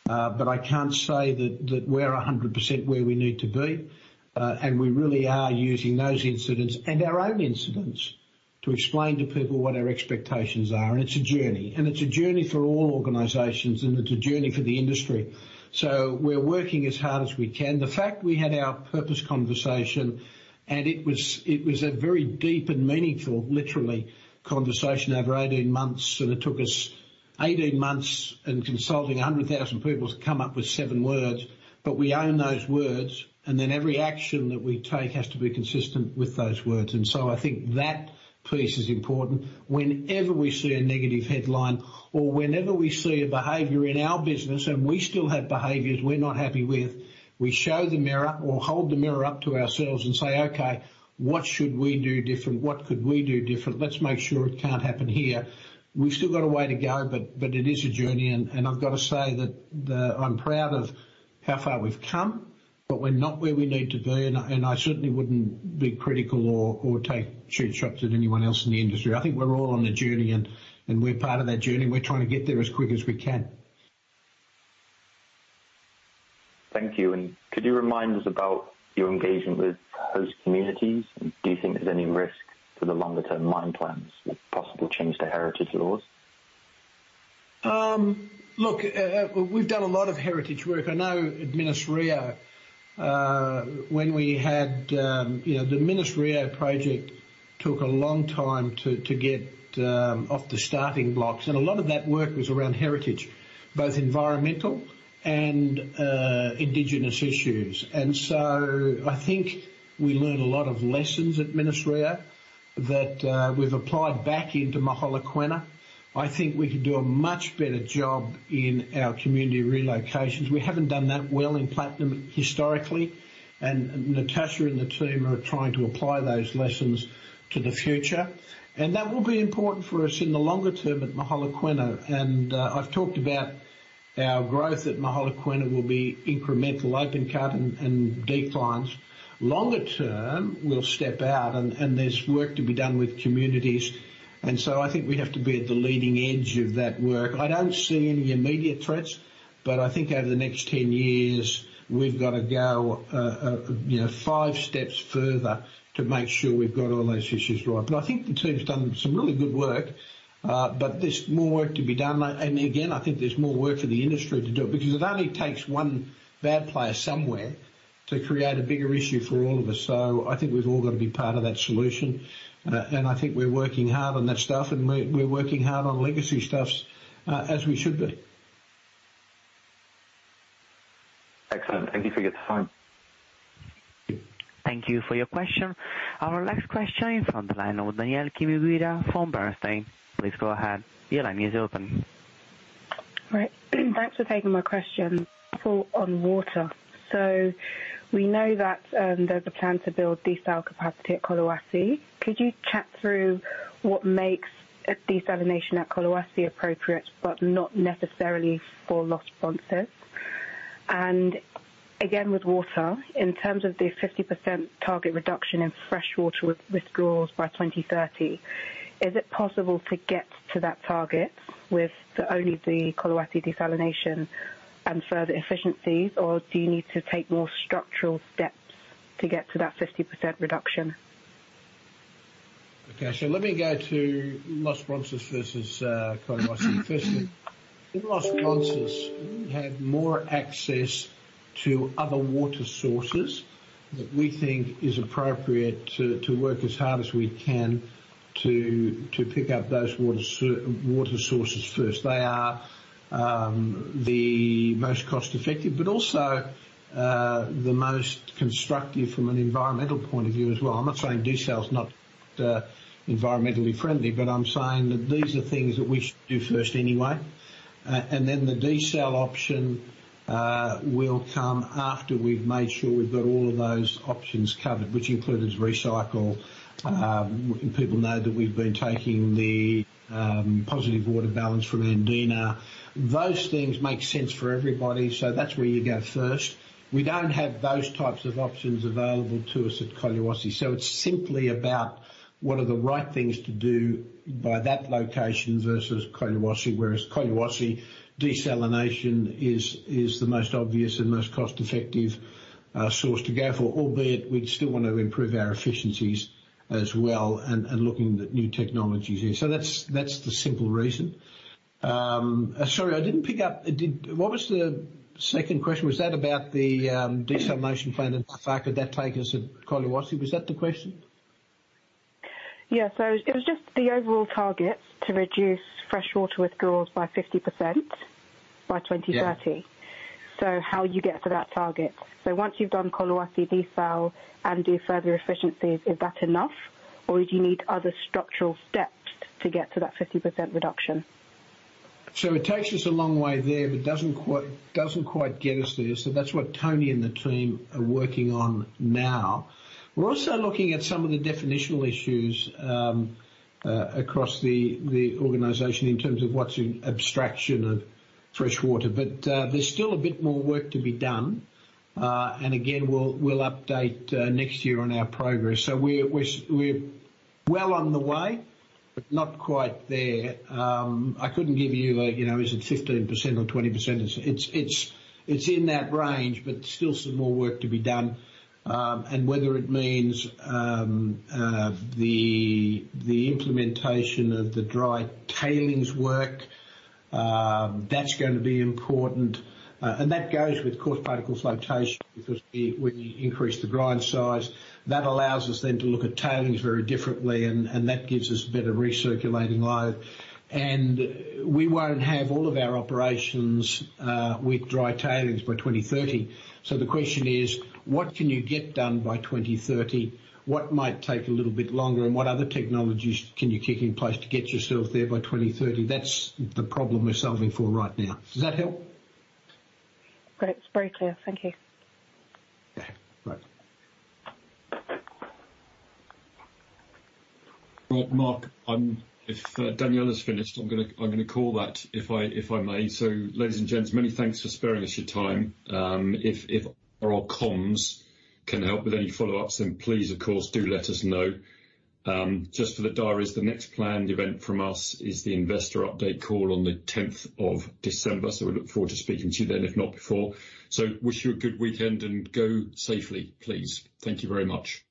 But I can't say that we're 100% where we need to be. We really are using those incidents and our own incidents to explain to people what our expectations are. It's a journey. It's a journey for all organizations, and it's a journey for the industry. We're working as hard as we can. The fact we had our purpose conversation, and it was a very deep and meaningful, literally, conversation over 18 months. It took us 18 months and consulting 100,000 people to come up with 7 words. We own those words, and then every action that we take has to be consistent with those words. I think that piece is important. Whenever we see a negative headline or whenever we see a behavior in our business, and we still have behaviors we're not happy with, we show the mirror or hold the mirror up to ourselves and say, "Okay, what should we do different? What could we do different? Let's make sure it can't happen here." We've still got a way to go, but it is a journey, and I've gotta say that I'm proud of how far we've come. We're not where we need to be, and I certainly wouldn't be critical or take shots at anyone else in the industry. I think we're all on a journey and we're part of that journey, and we're trying to get there as quick as we can. Thank you. Could you remind us about your engagement with host communities? Do you think there's any risk for the longer term mine plans with possible change to heritage laws? Look, we've done a lot of heritage work. I know at Minas-Rio, when we had. You know, the Minas-Rio project took a long time to get off the starting blocks. A lot of that work was around heritage, both environmental and indigenous issues. I think we learned a lot of lessons at Minas-Rio that we've applied back into Mogalakwena. I think we can do a much better job in our community relocations. We haven't done that well in platinum historically. Natasha and the team are trying to apply those lessons to the `. That will be important for us in the longer term at Mogalakwena. I've talked about our growth at Mogalakwena will be incremental open cut and deep mines. Longer term, we'll step out, and there's work to be done with communities. I think we have to be at the leading edge of that work. I don't see any immediate threats, but I think over the next 10 years, we've gotta go, you know, five steps further to make sure we've got all those issues right. I think the team's done some really good work. There's more work to be done. I think there's more work for the industry to do, because it only takes one bad player somewhere to create a bigger issue for all of us. I think we've all gotta be part of that solution. I think we're working hard on that stuff, and we're working hard on legacy stuff, as we should be. Excellent. Thank you for your time. Thank you for your question. Our next question is on the line with Danielle Chigumira from Bernstein. Please go ahead. Your line is open. Right. Thanks for taking my question. On water, we know that there's a plan to build desal capacity at Collahuasi. Could you chat through what makes a desalination at Collahuasi appropriate, but not necessarily for Los Bronces? With water, in terms of the 50% target reduction in freshwater withdrawals by 2030, is it possible to get to that target with only the Collahuasi desalination and further efficiencies, or do you need to take more structural steps to get to that 50% reduction? Let me go to Los Bronces versus Collahuasi first. In Los Bronces, we have more access to other water sources that we think is appropriate to work as hard as we can to pick up those water sources first. They are the most cost effective, but also the most constructive from an environmental point of view as well. I'm not saying desal's not environmentally friendly, but I'm saying that these are things that we should do first anyway. Then the desal option will come after we've made sure we've got all of those options covered, which includes recycle. People know that we've been taking the positive water balance from Andina. Those things make sense for everybody, that's where you go first. We don't have those types of options available to us at Collahuasi, so it's simply about what are the right things to do by that location versus Collahuasi. Whereas Collahuasi, desalination is the most obvious and most cost-effective source to go for. Albeit, we'd still want to improve our efficiencies as well and looking at new technologies here. That's the simple reason. Sorry, I didn't pick up. What was the second question? Was that about the desalination plant and the fact that that take us at Collahuasi? Was that the question? Yeah. It was just the overall target to reduce fresh water withdrawals by 50% by 2030. Yeah. How you get to that target? Once you've done Collahuasi desal and do further efficiencies, is that enough or do you need other structural steps to get to that 50% reduction? It takes us a long way there, but doesn't quite get us there. That's what Tony and the team are working on now. We're also looking at some of the definitional issues across the organization in terms of what's abstraction of fresh water. But there's still a bit more work to be done. And again, we'll update next year on our progress. We're well on the way, but not quite there. I couldn't give you know, is it 15% or 20%? It's in that range, but still some more work to be done. And whether it means the implementation of the dry tailings work, that's going to be important. And that goes with Coarse Particle Flotation, because we increase the grind size. That allows us then to look at tailings very differently and that gives us better recirculating load. We won't have all of our operations with dry tailings by 2030. The question is: What can you get done by 2030? What might take a little bit longer? What other technologies can you kick in place to get yourself there by 2030? That's the problem we're solving for right now. Does that help? Great. It's very clear. Thank you. Okay. Bye. Well, Mark, if Danielle is finished, I'm gonna call that, if I may. Ladies and gents, many thanks for sparing us your time. If our comms can help with any follow-ups, then please, of course, do let us know. Just for the diaries, the next planned event from us is the investor update call on the 10th of December. We look forward to speaking to you then, if not before. Wish you a good weekend and go safely, please. Thank you very much.